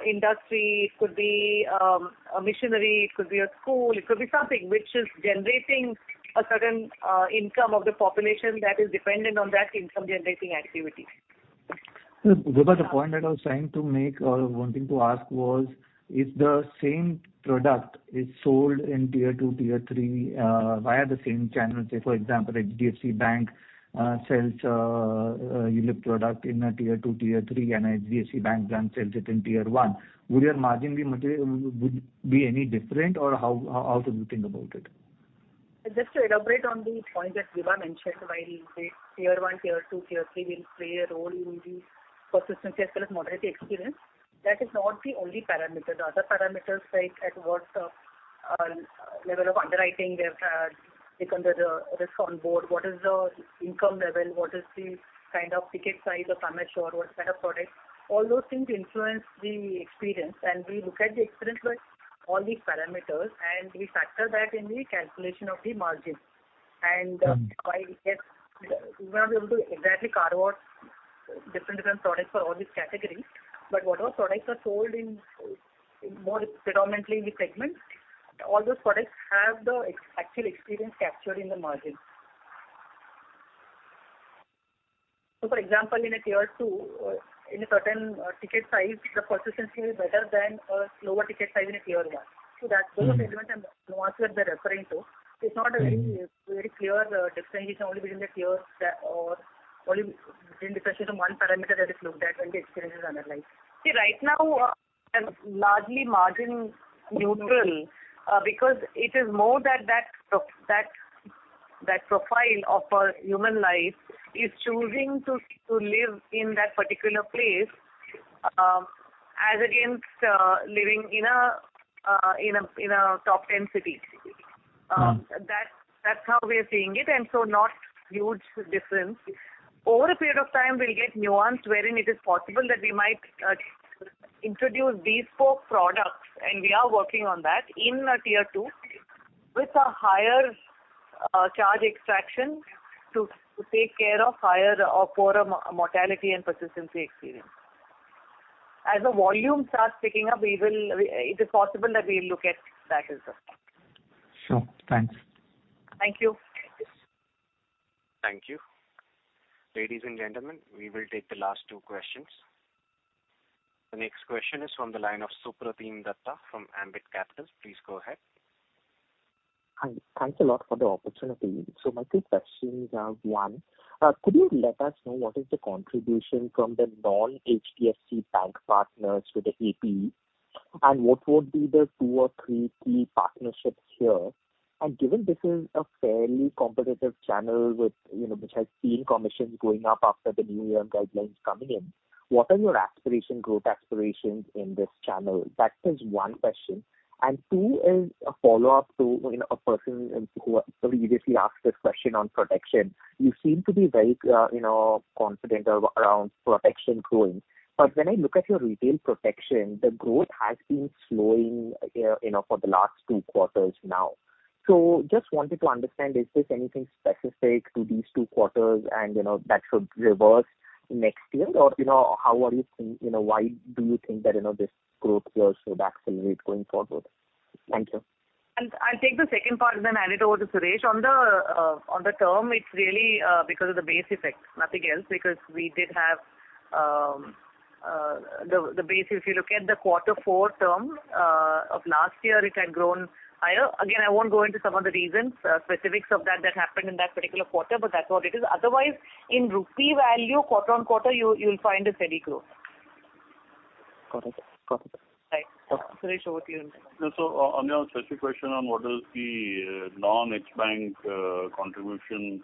industry. It could be a missionary. It could be a school. It could be something which is generating a certain income of the population that is dependent on that income-generating activity. So about the point that I was trying to make or wanting to ask was, if the same product is sold in tier two, tier three via the same channel, say, for example, HDFC Bank sells ULIP product in a tier two, tier three, and HDFC Bank brand sells it in tier one, would your margin be would be any different, or how should you think about it? Just to elaborate on the point that Vibha mentioned, while tier one, tier two, tier three will play a role in the persistency as well as mortality experience, that is not the only parameter. The other parameters, like at what level of underwriting they've taken the risk on board, what is the income level, what is the kind of ticket size or sum assured, what kind of products, all those things influence the experience. We look at the experience by all these parameters, and we factor that in the calculation of the margin. And while we are not able to exactly carve out different different products for all these categories, but whatever products are sold more predominantly in these segments, all those products have the actual experience captured in the margin. So for example, in a tier two, in a certain ticket size, the persistency will be better than a lower ticket size in a tier one. So those are the elements and ones that they're referring to. So it's not a very clear differentiation only between the tiers or only between differentiation of one parameter that is looked at when the experience is analyzed. See, right now, largely margin neutral because it is more that profile of a human life is choosing to live in that particular place as against living in a top 10 city. That's how we are seeing it. And so not huge difference. Over a period of time, we'll get nuanced wherein it is possible that we might introduce bespoke products, and we are working on that in a tier two with a higher charge extraction to take care of higher or poorer mortality and persistency experience. As the volume starts picking up, it is possible that we will look at that as well. Sure. Thanks. Thank you. Thank you. Ladies and gentlemen, we will take the last two questions. The next question is from the line of Supratim Datta from Ambit Capital. Please go ahead. Hi. Thanks a lot for the opportunity. So my two questions are, one, could you let us know what is the contribution from the non-HDFC Bank partners to the APE, and what would be the two or three key partnerships here? And given this is a fairly competitive channel which has seen commissions going up after the new EM guidelines coming in, what are your growth aspirations in this channel? That is one question. And two is a follow-up to a person who previously asked this question on protection. You seem to be very confident around protection growing. But when I look at your retail protection, the growth has been slowing for the last two quarters now. So just wanted to understand, is this anything specific to these two quarters and that should reverse next year, or how are you thinking why do you think that this growth will slow down, accelerate going forward? Thank you. And I think the second part that I added over to Suresh, on the term, it's really because of the base effect, nothing else, because we did have the base, if you look at the quarter four term of last year, it had grown higher. Again, I won't go into some of the reasons, specifics of that that happened in that particular quarter, but that's what it is. Otherwise, in rupee value, quarter-on-quarter, you'll find a steady growth. Got it. Got it. Right. Suresh, over to you. So on your first question on what is the non-HDFC Bank contribution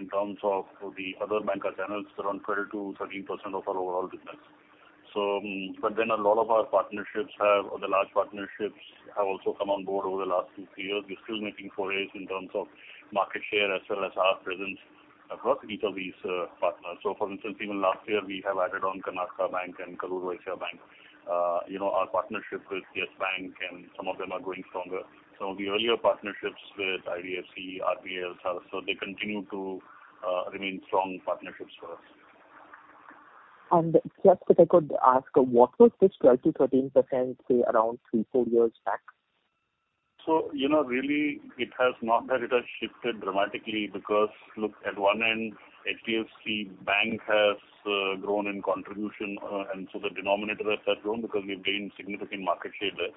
in terms of the other banca channels, around 12%-13% of our overall business. But then a lot of our partnerships have the large partnerships have also come on board over the last two-three years. We're still making forays in terms of market share as well as our presence across each of these partners. So for instance, even last year, we have added on Karnataka Bank and Karur Vysya Bank, our partnership with Yes Bank, and some of them are growing stronger. Some of the earlier partnerships with IDFC, RBL, so they continue to remain strong partnerships for us. And just if I could ask, what was this 12%-13%, say, around three, four years back? So really, it has not that it has shifted dramatically because look, at one end, HDFC Bank has grown in contribution, and so the denominator has grown because we've gained significant market share there.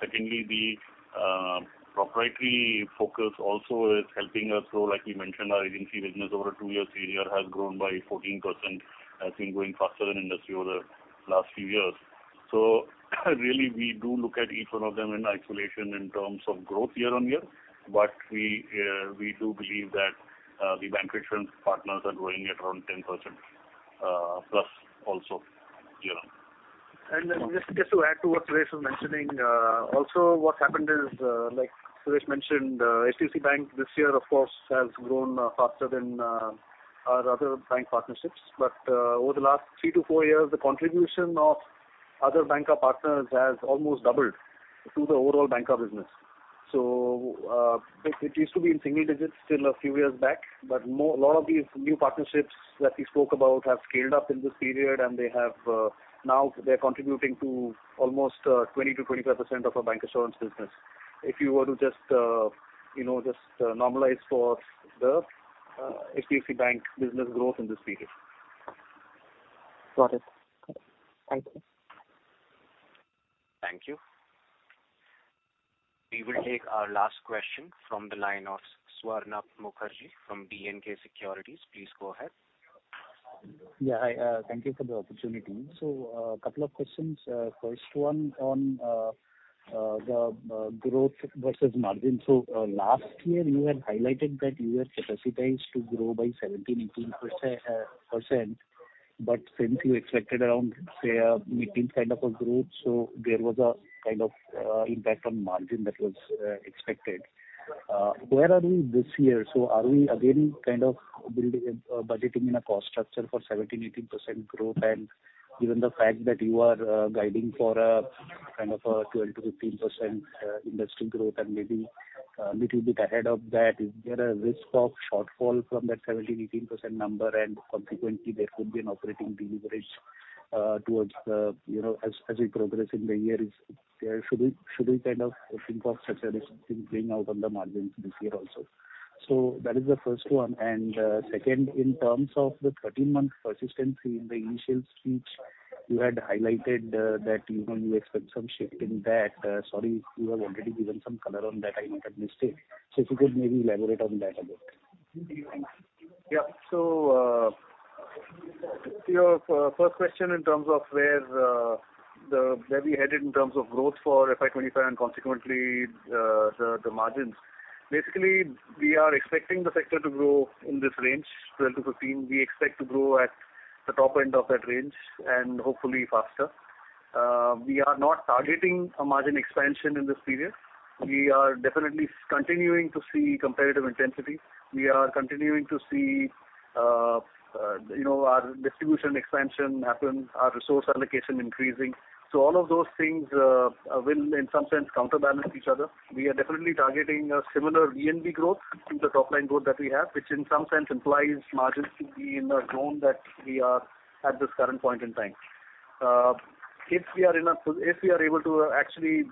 Secondly, the proprietary focus also is helping us grow, like we mentioned, our agency business over a 2-year period has grown by 14%, has been going faster than in the last few years. So really, we do look at each one of them in isolation in terms of growth year-on-year. But we do believe that the bank insurance partners are growing at around 10%+ also year-on-year. And just to add to what Suresh was mentioning, also what's happened is, like Suresh mentioned, HDFC Bank this year, of course, has grown faster than our other bank partnerships. But over the last 3-4 years, the contribution of other banca partners has almost doubled to the overall banca business. So it used to be in single digits till a few years back, but a lot of these new partnerships that we spoke about have scaled up in this period, and now they're contributing to almost 20%-25% of our bank insurance business if you were to just normalize for the HDFC Bank business growth in this period. Got it. Got it. Thank you. Thank you. We will take our last question from the line of Swarnabha Mukherjee from B&K Securities. Please go ahead. Yeah. Thank you for the opportunity. So a couple of questions. First one on the growth versus margin. So last year, you had highlighted that you were capacitized to grow by 17%-18%. But since you expected around, say, a 15% kind of a growth, so there was a kind of impact on margin that was expected. Where are we this year? So are we, again, kind of budgeting in a cost structure for 17%-18% growth? And given the fact that you are guiding for a kind of a 12%-15% industry growth and maybe a little bit ahead of that, is there a risk of shortfall from that 17%-18% number? And consequently, there could be an operating leverage towards the end as we progress in the year, should we kind of think of such a risk being out on the margins this year also? So that is the first one. And second, in terms of the 13th-month persistency in the initial speech, you had highlighted that you expect some shift in that. Sorry, you have already given some color on that. I noted the mistake. So if you could maybe elaborate on that a bit. Thank you. Yeah. So to your first question in terms of where we headed in terms of growth for FY25 and consequently the margins, basically, we are expecting the sector to grow in this range, 12%-15%. We expect to grow at the top end of that range and hopefully faster. We are not targeting a margin expansion in this period. We are definitely continuing to see competitive intensity. We are continuing to see our distribution expansion happen, our resource allocation increasing. So all of those things will, in some sense, counterbalance each other. We are definitely targeting a similar VNB growth to the top-line growth that we have, which in some sense implies margins should be in a zone that we are at this current point in time. If we are able to actually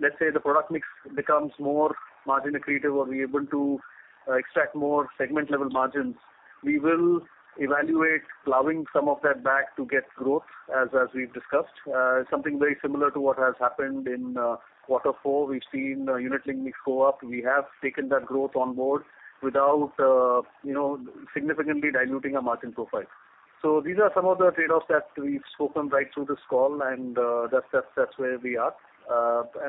let's say the product mix becomes more margin accretive or we're able to extract more segment-level margins, we will evaluate plowing some of that back to get growth, as we've discussed. Something very similar to what has happened in quarter four. We've seen unit-linked mix go up. We have taken that growth on board without significantly diluting our margin profile. So these are some of the trade-offs that we've spoken right through this call, and that's where we are.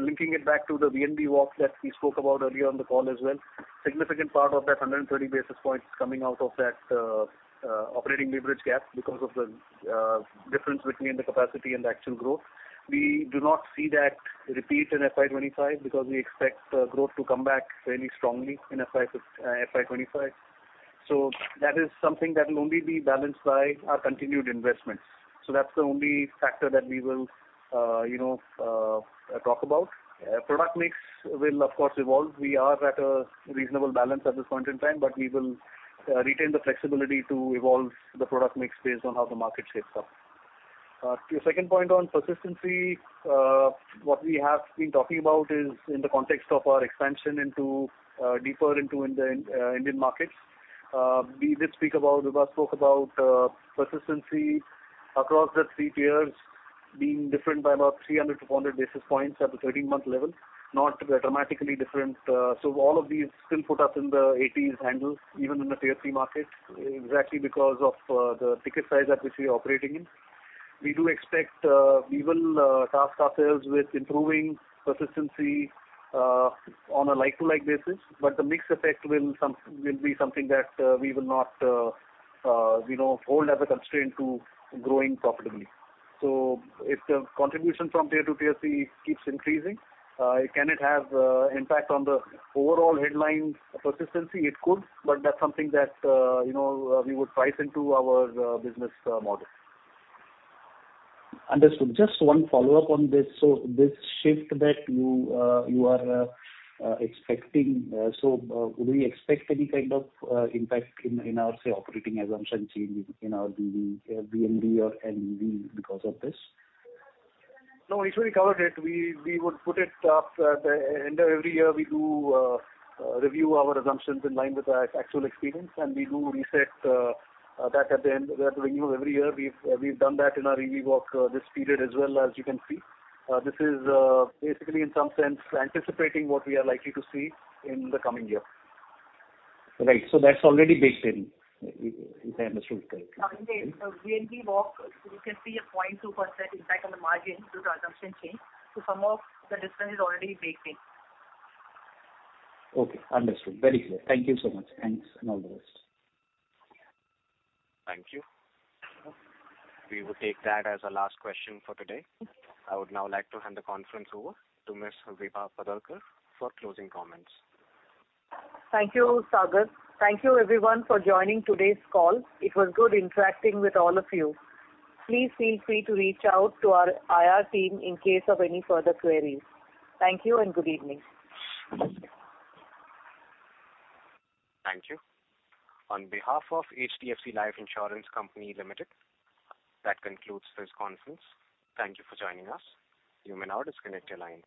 Linking it back to the VNB walk that we spoke about earlier on the call as well, significant part of that 130 basis points is coming out of that operating leverage gap because of the difference between the capacity and the actual growth. We do not see that repeat in FY25 because we expect growth to come back fairly strongly in FY25. So that is something that will only be balanced by our continued investments. So that's the only factor that we will talk about. Product mix will, of course, evolve. We are at a reasonable balance at this point in time, but we will retain the flexibility to evolve the product mix based on how the market shapes up. Your second point on persistency, what we have been talking about is in the context of our expansion deeper into the Indian markets. We did speak about Vibha spoke about persistency across the three tiers being different by about 300-400 basis points at the 13-month level, not dramatically different. So all of these still put us in the 80s handle, even in the tier three market, exactly because of the ticket size at which we are operating in. We do expect we will task ourselves with improving persistency on a like-to-like basis, but the mix effect will be something that we will not hold as a constraint to growing profitably. So if the contribution from tier two tier three keeps increasing, can it have impact on the overall headline persistency? It could, but that's something that we would price into our business model. Understood. Just one follow-up on this. So this shift that you are expecting, so would we expect any kind of impact in our, say, operating assumption changes in our VNB or EV because of this? No, it's already covered it. We would put it up at the end of every year. We do review our assumptions in line with our actual experience, and we do reset that at the end. We have to renew every year. We've done that in our EV walk this period as well, as you can see. This is basically, in some sense, anticipating what we are likely to see in the coming year. Right. So that's already baked in, if I understood correctly. Indeed. VNB walk, you can see a 0.2% impact on the margin due to assumption change. So some of the difference is already baked in. Okay. Understood. Very clear. Thank you so much. Thanks and all the best. Thank you. We will take that as a last question for today. I would now like to hand the conference over to Ms. Vibha Padalkar for closing comments. Thank you, Sagar. Thank you, everyone, for joining today's call. It was good interacting with all of you. Please feel free to reach out to our IR team in case of any further queries. Thank you and good evening. Thank you. On behalf of HDFC Life Insurance Company Limited, that concludes this conference. Thank you for joining us. You may now disconnect the line.